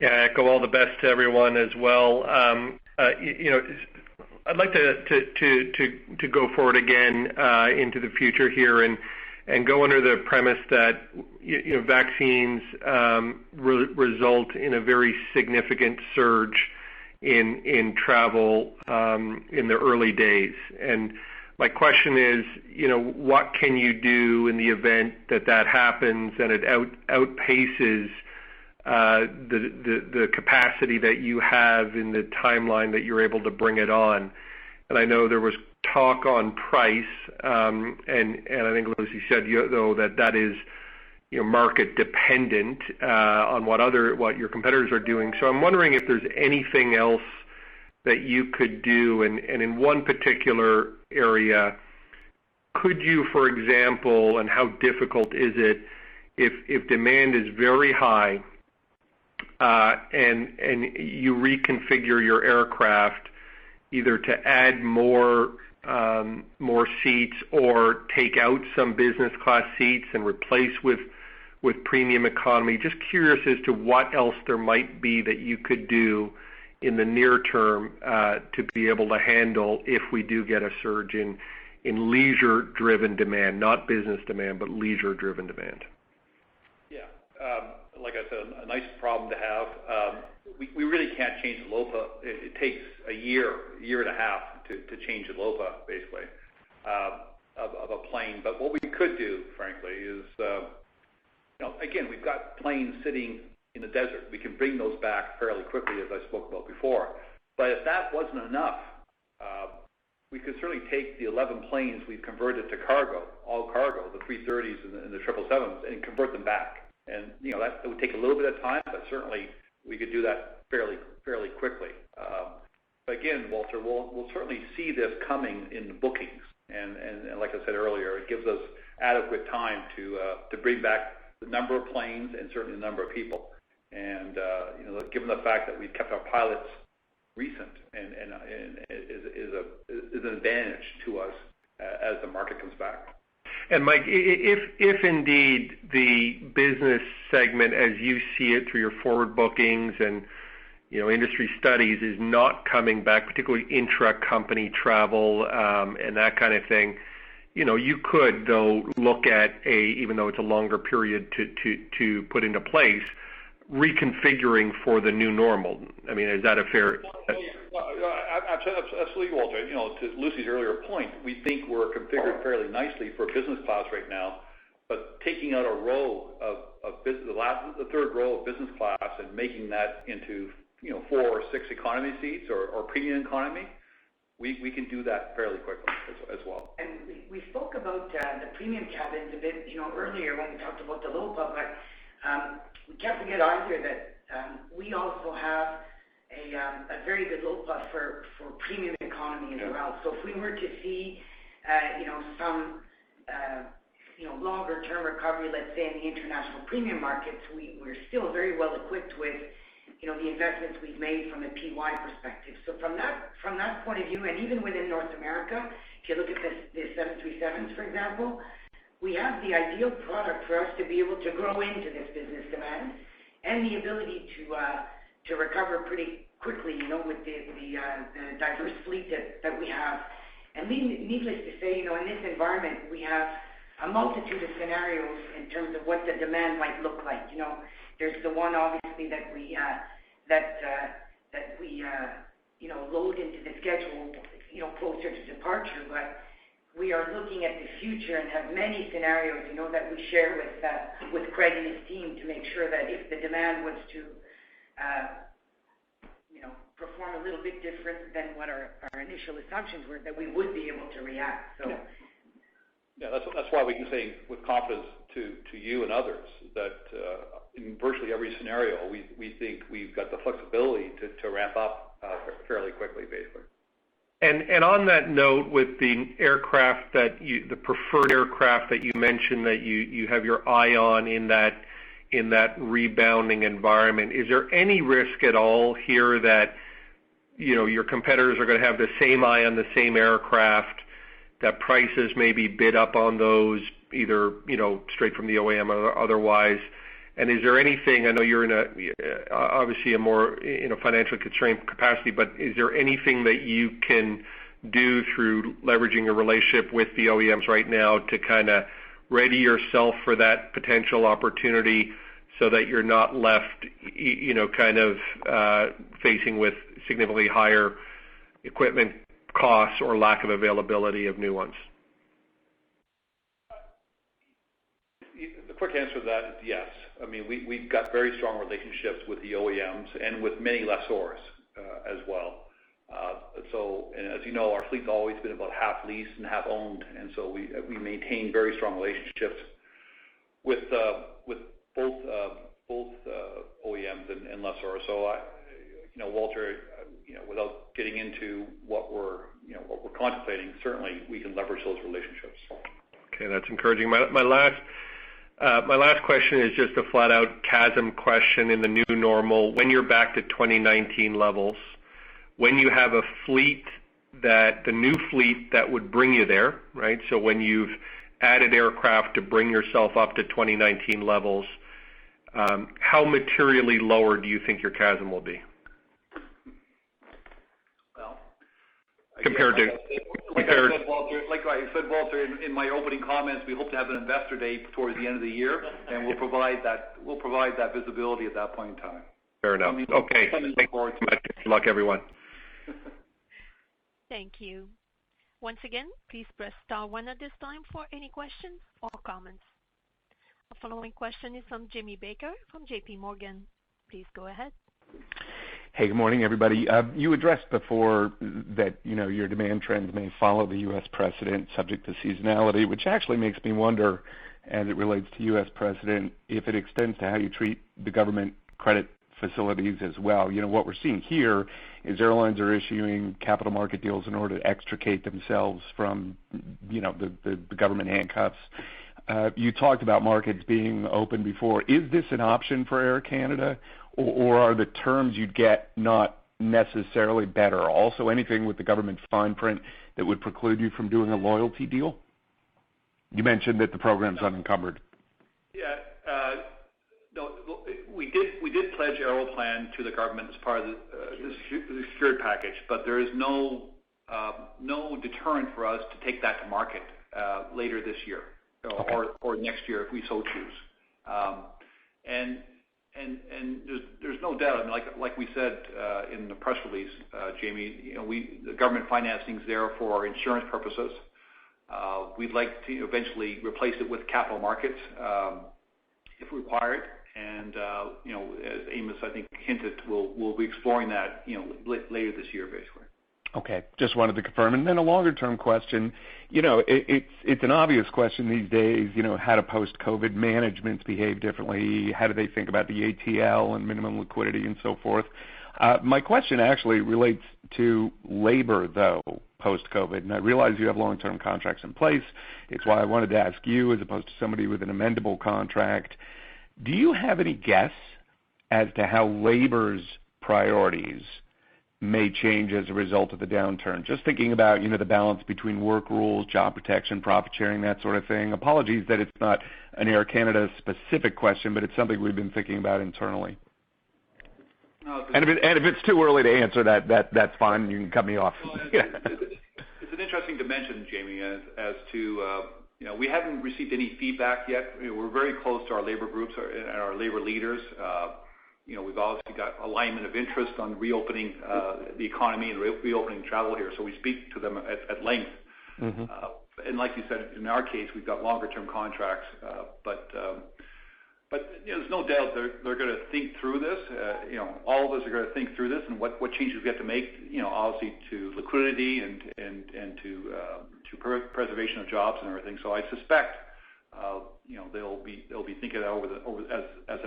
Yeah. I echo all the best to everyone as well. I'd like to go forward again into the future here and go under the premise that vaccines result in a very significant surge in travel in the early days. My question is, what can you do in the event that that happens and it outpaces the capacity that you have and the timeline that you're able to bring it on? I know there was talk on price, and I think Lucie said though, that that is market dependent on what your competitors are doing. I'm wondering if there's anything else that you could do. In one particular area, could you, for example, and how difficult is it if demand is very high and you reconfigure your aircraft either to add more seats or take out some business class seats and replace with premium economy? Just curious as to what else there might be that you could do in the near term to be able to handle if we do get a surge in leisure-driven demand, not business demand, but leisure-driven demand. Yeah. Like I said, a nice problem to have. We really can't change the LOPA. It takes a year and a half to change the LOPA, basically, of a plane. What we could do, frankly, is again, we've got planes sitting in the desert. We can bring those back fairly quickly, as I spoke about before. If that wasn't enough, we could certainly take the 11 planes we've converted to cargo, all cargo, the A330s and the 777s, and convert them back. It would take a little bit of time, but certainly, we could do that fairly quickly. Again, Walter, we'll certainly see this coming in the bookings, and like I said earlier, it gives us adequate time to bring back the number of planes and certainly the number of people. Given the fact that we've kept our pilots recent is an advantage to us as the market comes back. Michael, if indeed the business segment, as you see it through your forward bookings and industry studies is not coming back, particularly intra-company travel, and that kind of thing, you could though look at a, even though it's a longer period to put into place, reconfiguring for the new normal. I mean, is that a fair? Absolutely, Walter. To Lucie's earlier point, we think we're configured fairly nicely for business class right now. Taking out a row, the third row of business class and making that into four or six economy seats or premium economy, we can do that fairly quickly as well. We spoke about the premium cabins a bit earlier when we talked about the LOPA, but we can't forget either that we also have a very good LOPA for premium economy as well. If we were to see some longer-term recovery, let's say, in the international premium markets, we're still very well equipped with the investments we've made from a PY perspective. From that point of view, and even within North America, if you look at the 737s, for example, we have the ideal product for us to be able to grow into this business demand and the ability to recover pretty quickly with the diverse fleet that we have. Needless to say, in this environment, we have a multitude of scenarios in terms of what the demand might look like. There's the one, obviously, that we load into the schedule closer to departure. We are looking at the future and have many scenarios that we share with Craig and his team to make sure that if the demand was to perform a little bit different than what our initial assumptions were, that we would be able to react. Yes. That's why we can say with confidence to you and others that in virtually every scenario, we think we've got the flexibility to ramp up fairly quickly, basically. On that note with the preferred aircraft that you mentioned that you have your eye on in that rebounding environment, is there any risk at all here that your competitors are going to have the same eye on the same aircraft, that prices may be bid up on those, either straight from the OEM or otherwise? Is there anything, I know you're in, obviously, a more financially constrained capacity, but is there anything that you can do through leveraging a relationship with the OEMs right now to ready yourself for that potential opportunity so that you're not left facing with significantly higher equipment costs or lack of availability of new ones? The quick answer to that is yes. We've got very strong relationships with the OEMs and with many lessors as well. As you know, our fleet's always been about half leased and half owned, and so we maintain very strong relationships with both OEMs and lessors. Walter, without getting into what we're contemplating, certainly we can leverage those relationships. Okay. That's encouraging. My last question is just a flat out CASM question in the new normal. When you're back to 2019 levels, when you have the new fleet that would bring you there. When you've added aircraft to bring yourself up to 2019 levels, how materially lower do you think your CASM will be? Well- Compared to- Like I said, Walter, in my opening comments, we hope to have an investor day towards the end of the year, and we'll provide that visibility at that point in time. Fair enough. Okay. I mean, certainly look forward to that. Thanks so much. Good luck, everyone. Thank you. Once again, please press star one at this time for any questions or comments. Our following question is from Jamie Baker from JPMorgan. Please go ahead. Hey, good morning, everybody. You addressed before that your demand trends may follow the U.S. precedent subject to seasonality, which actually makes me wonder as it relates to U.S. precedent, if it extends to how you treat the government credit facilities as well. What we're seeing here is airlines are issuing capital market deals in order to extricate themselves from the government handcuffs. You talked about markets being open before. Is this an option for Air Canada, or are the terms you'd get not necessarily better? Also, anything with the government's fine print that would preclude you from doing a loyalty deal? You mentioned that the program's unencumbered. Yeah. We did pledge Aeroplan to the government as part of the secured package, but there is no deterrent for us to take that to market later this year or next year if we so choose. There's no doubt, like we said in the press release, Jamie, the government financing's there for insurance purposes. We'd like to eventually replace it with capital markets if required and as Amos, I think, hinted, we'll be exploring that later this year, basically. Okay. Just wanted to confirm. A longer-term question. It's an obvious question these days, how do post-COVID managements behave differently? How do they think about the ATL and minimum liquidity and so forth? My question actually relates to labor, though, post-COVID, and I realize you have long-term contracts in place. It's why I wanted to ask you as opposed to somebody with an amendable contract. Do you have any guess as to how labor's priorities may change as a result of the downturn? Just thinking about the balance between work rules, job protection, profit sharing, that sort of thing. Apologies that it's not an Air Canada specific question, but it's something we've been thinking about internally. No, because it's. If it's too early to answer that's fine. You can cut me off. Well, it's an interesting dimension, Jamie, as to we haven't received any feedback yet. We're very close to our labor groups and our labor leaders. We've obviously got alignment of interest on reopening the economy and reopening travel here, so we speak to them at length. Like you said, in our case, we've got longer-term contracts. There's no doubt they're going to think through this. All of us are going to think through this and what changes we have to make obviously to liquidity and to preservation of jobs and everything. I suspect they'll be thinking as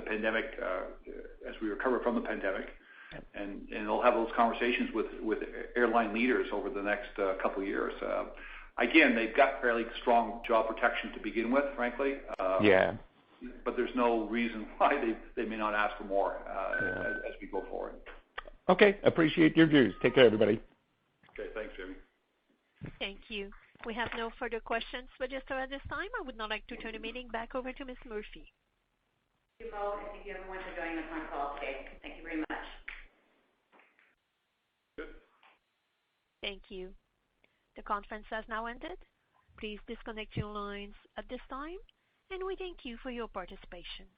we recover from the pandemic. Right They'll have those conversations with airline leaders over the next couple of years. Again, they've got fairly strong job protection to begin with, frankly. Yeah. There's no reason why they may not ask for more as we go forward. Okay. Appreciate your views. Take care, everybody. Okay. Thanks, Jamie. Thank you. We have no further questions for just now at this time. I would now like to turn the meeting back over to Ms. Murphy. Thank you all, and thank you everyone for joining this phone call today. Thank you very much. Good. Thank you. The conference has now ended. Please disconnect your lines at this time, and we thank you for your participation.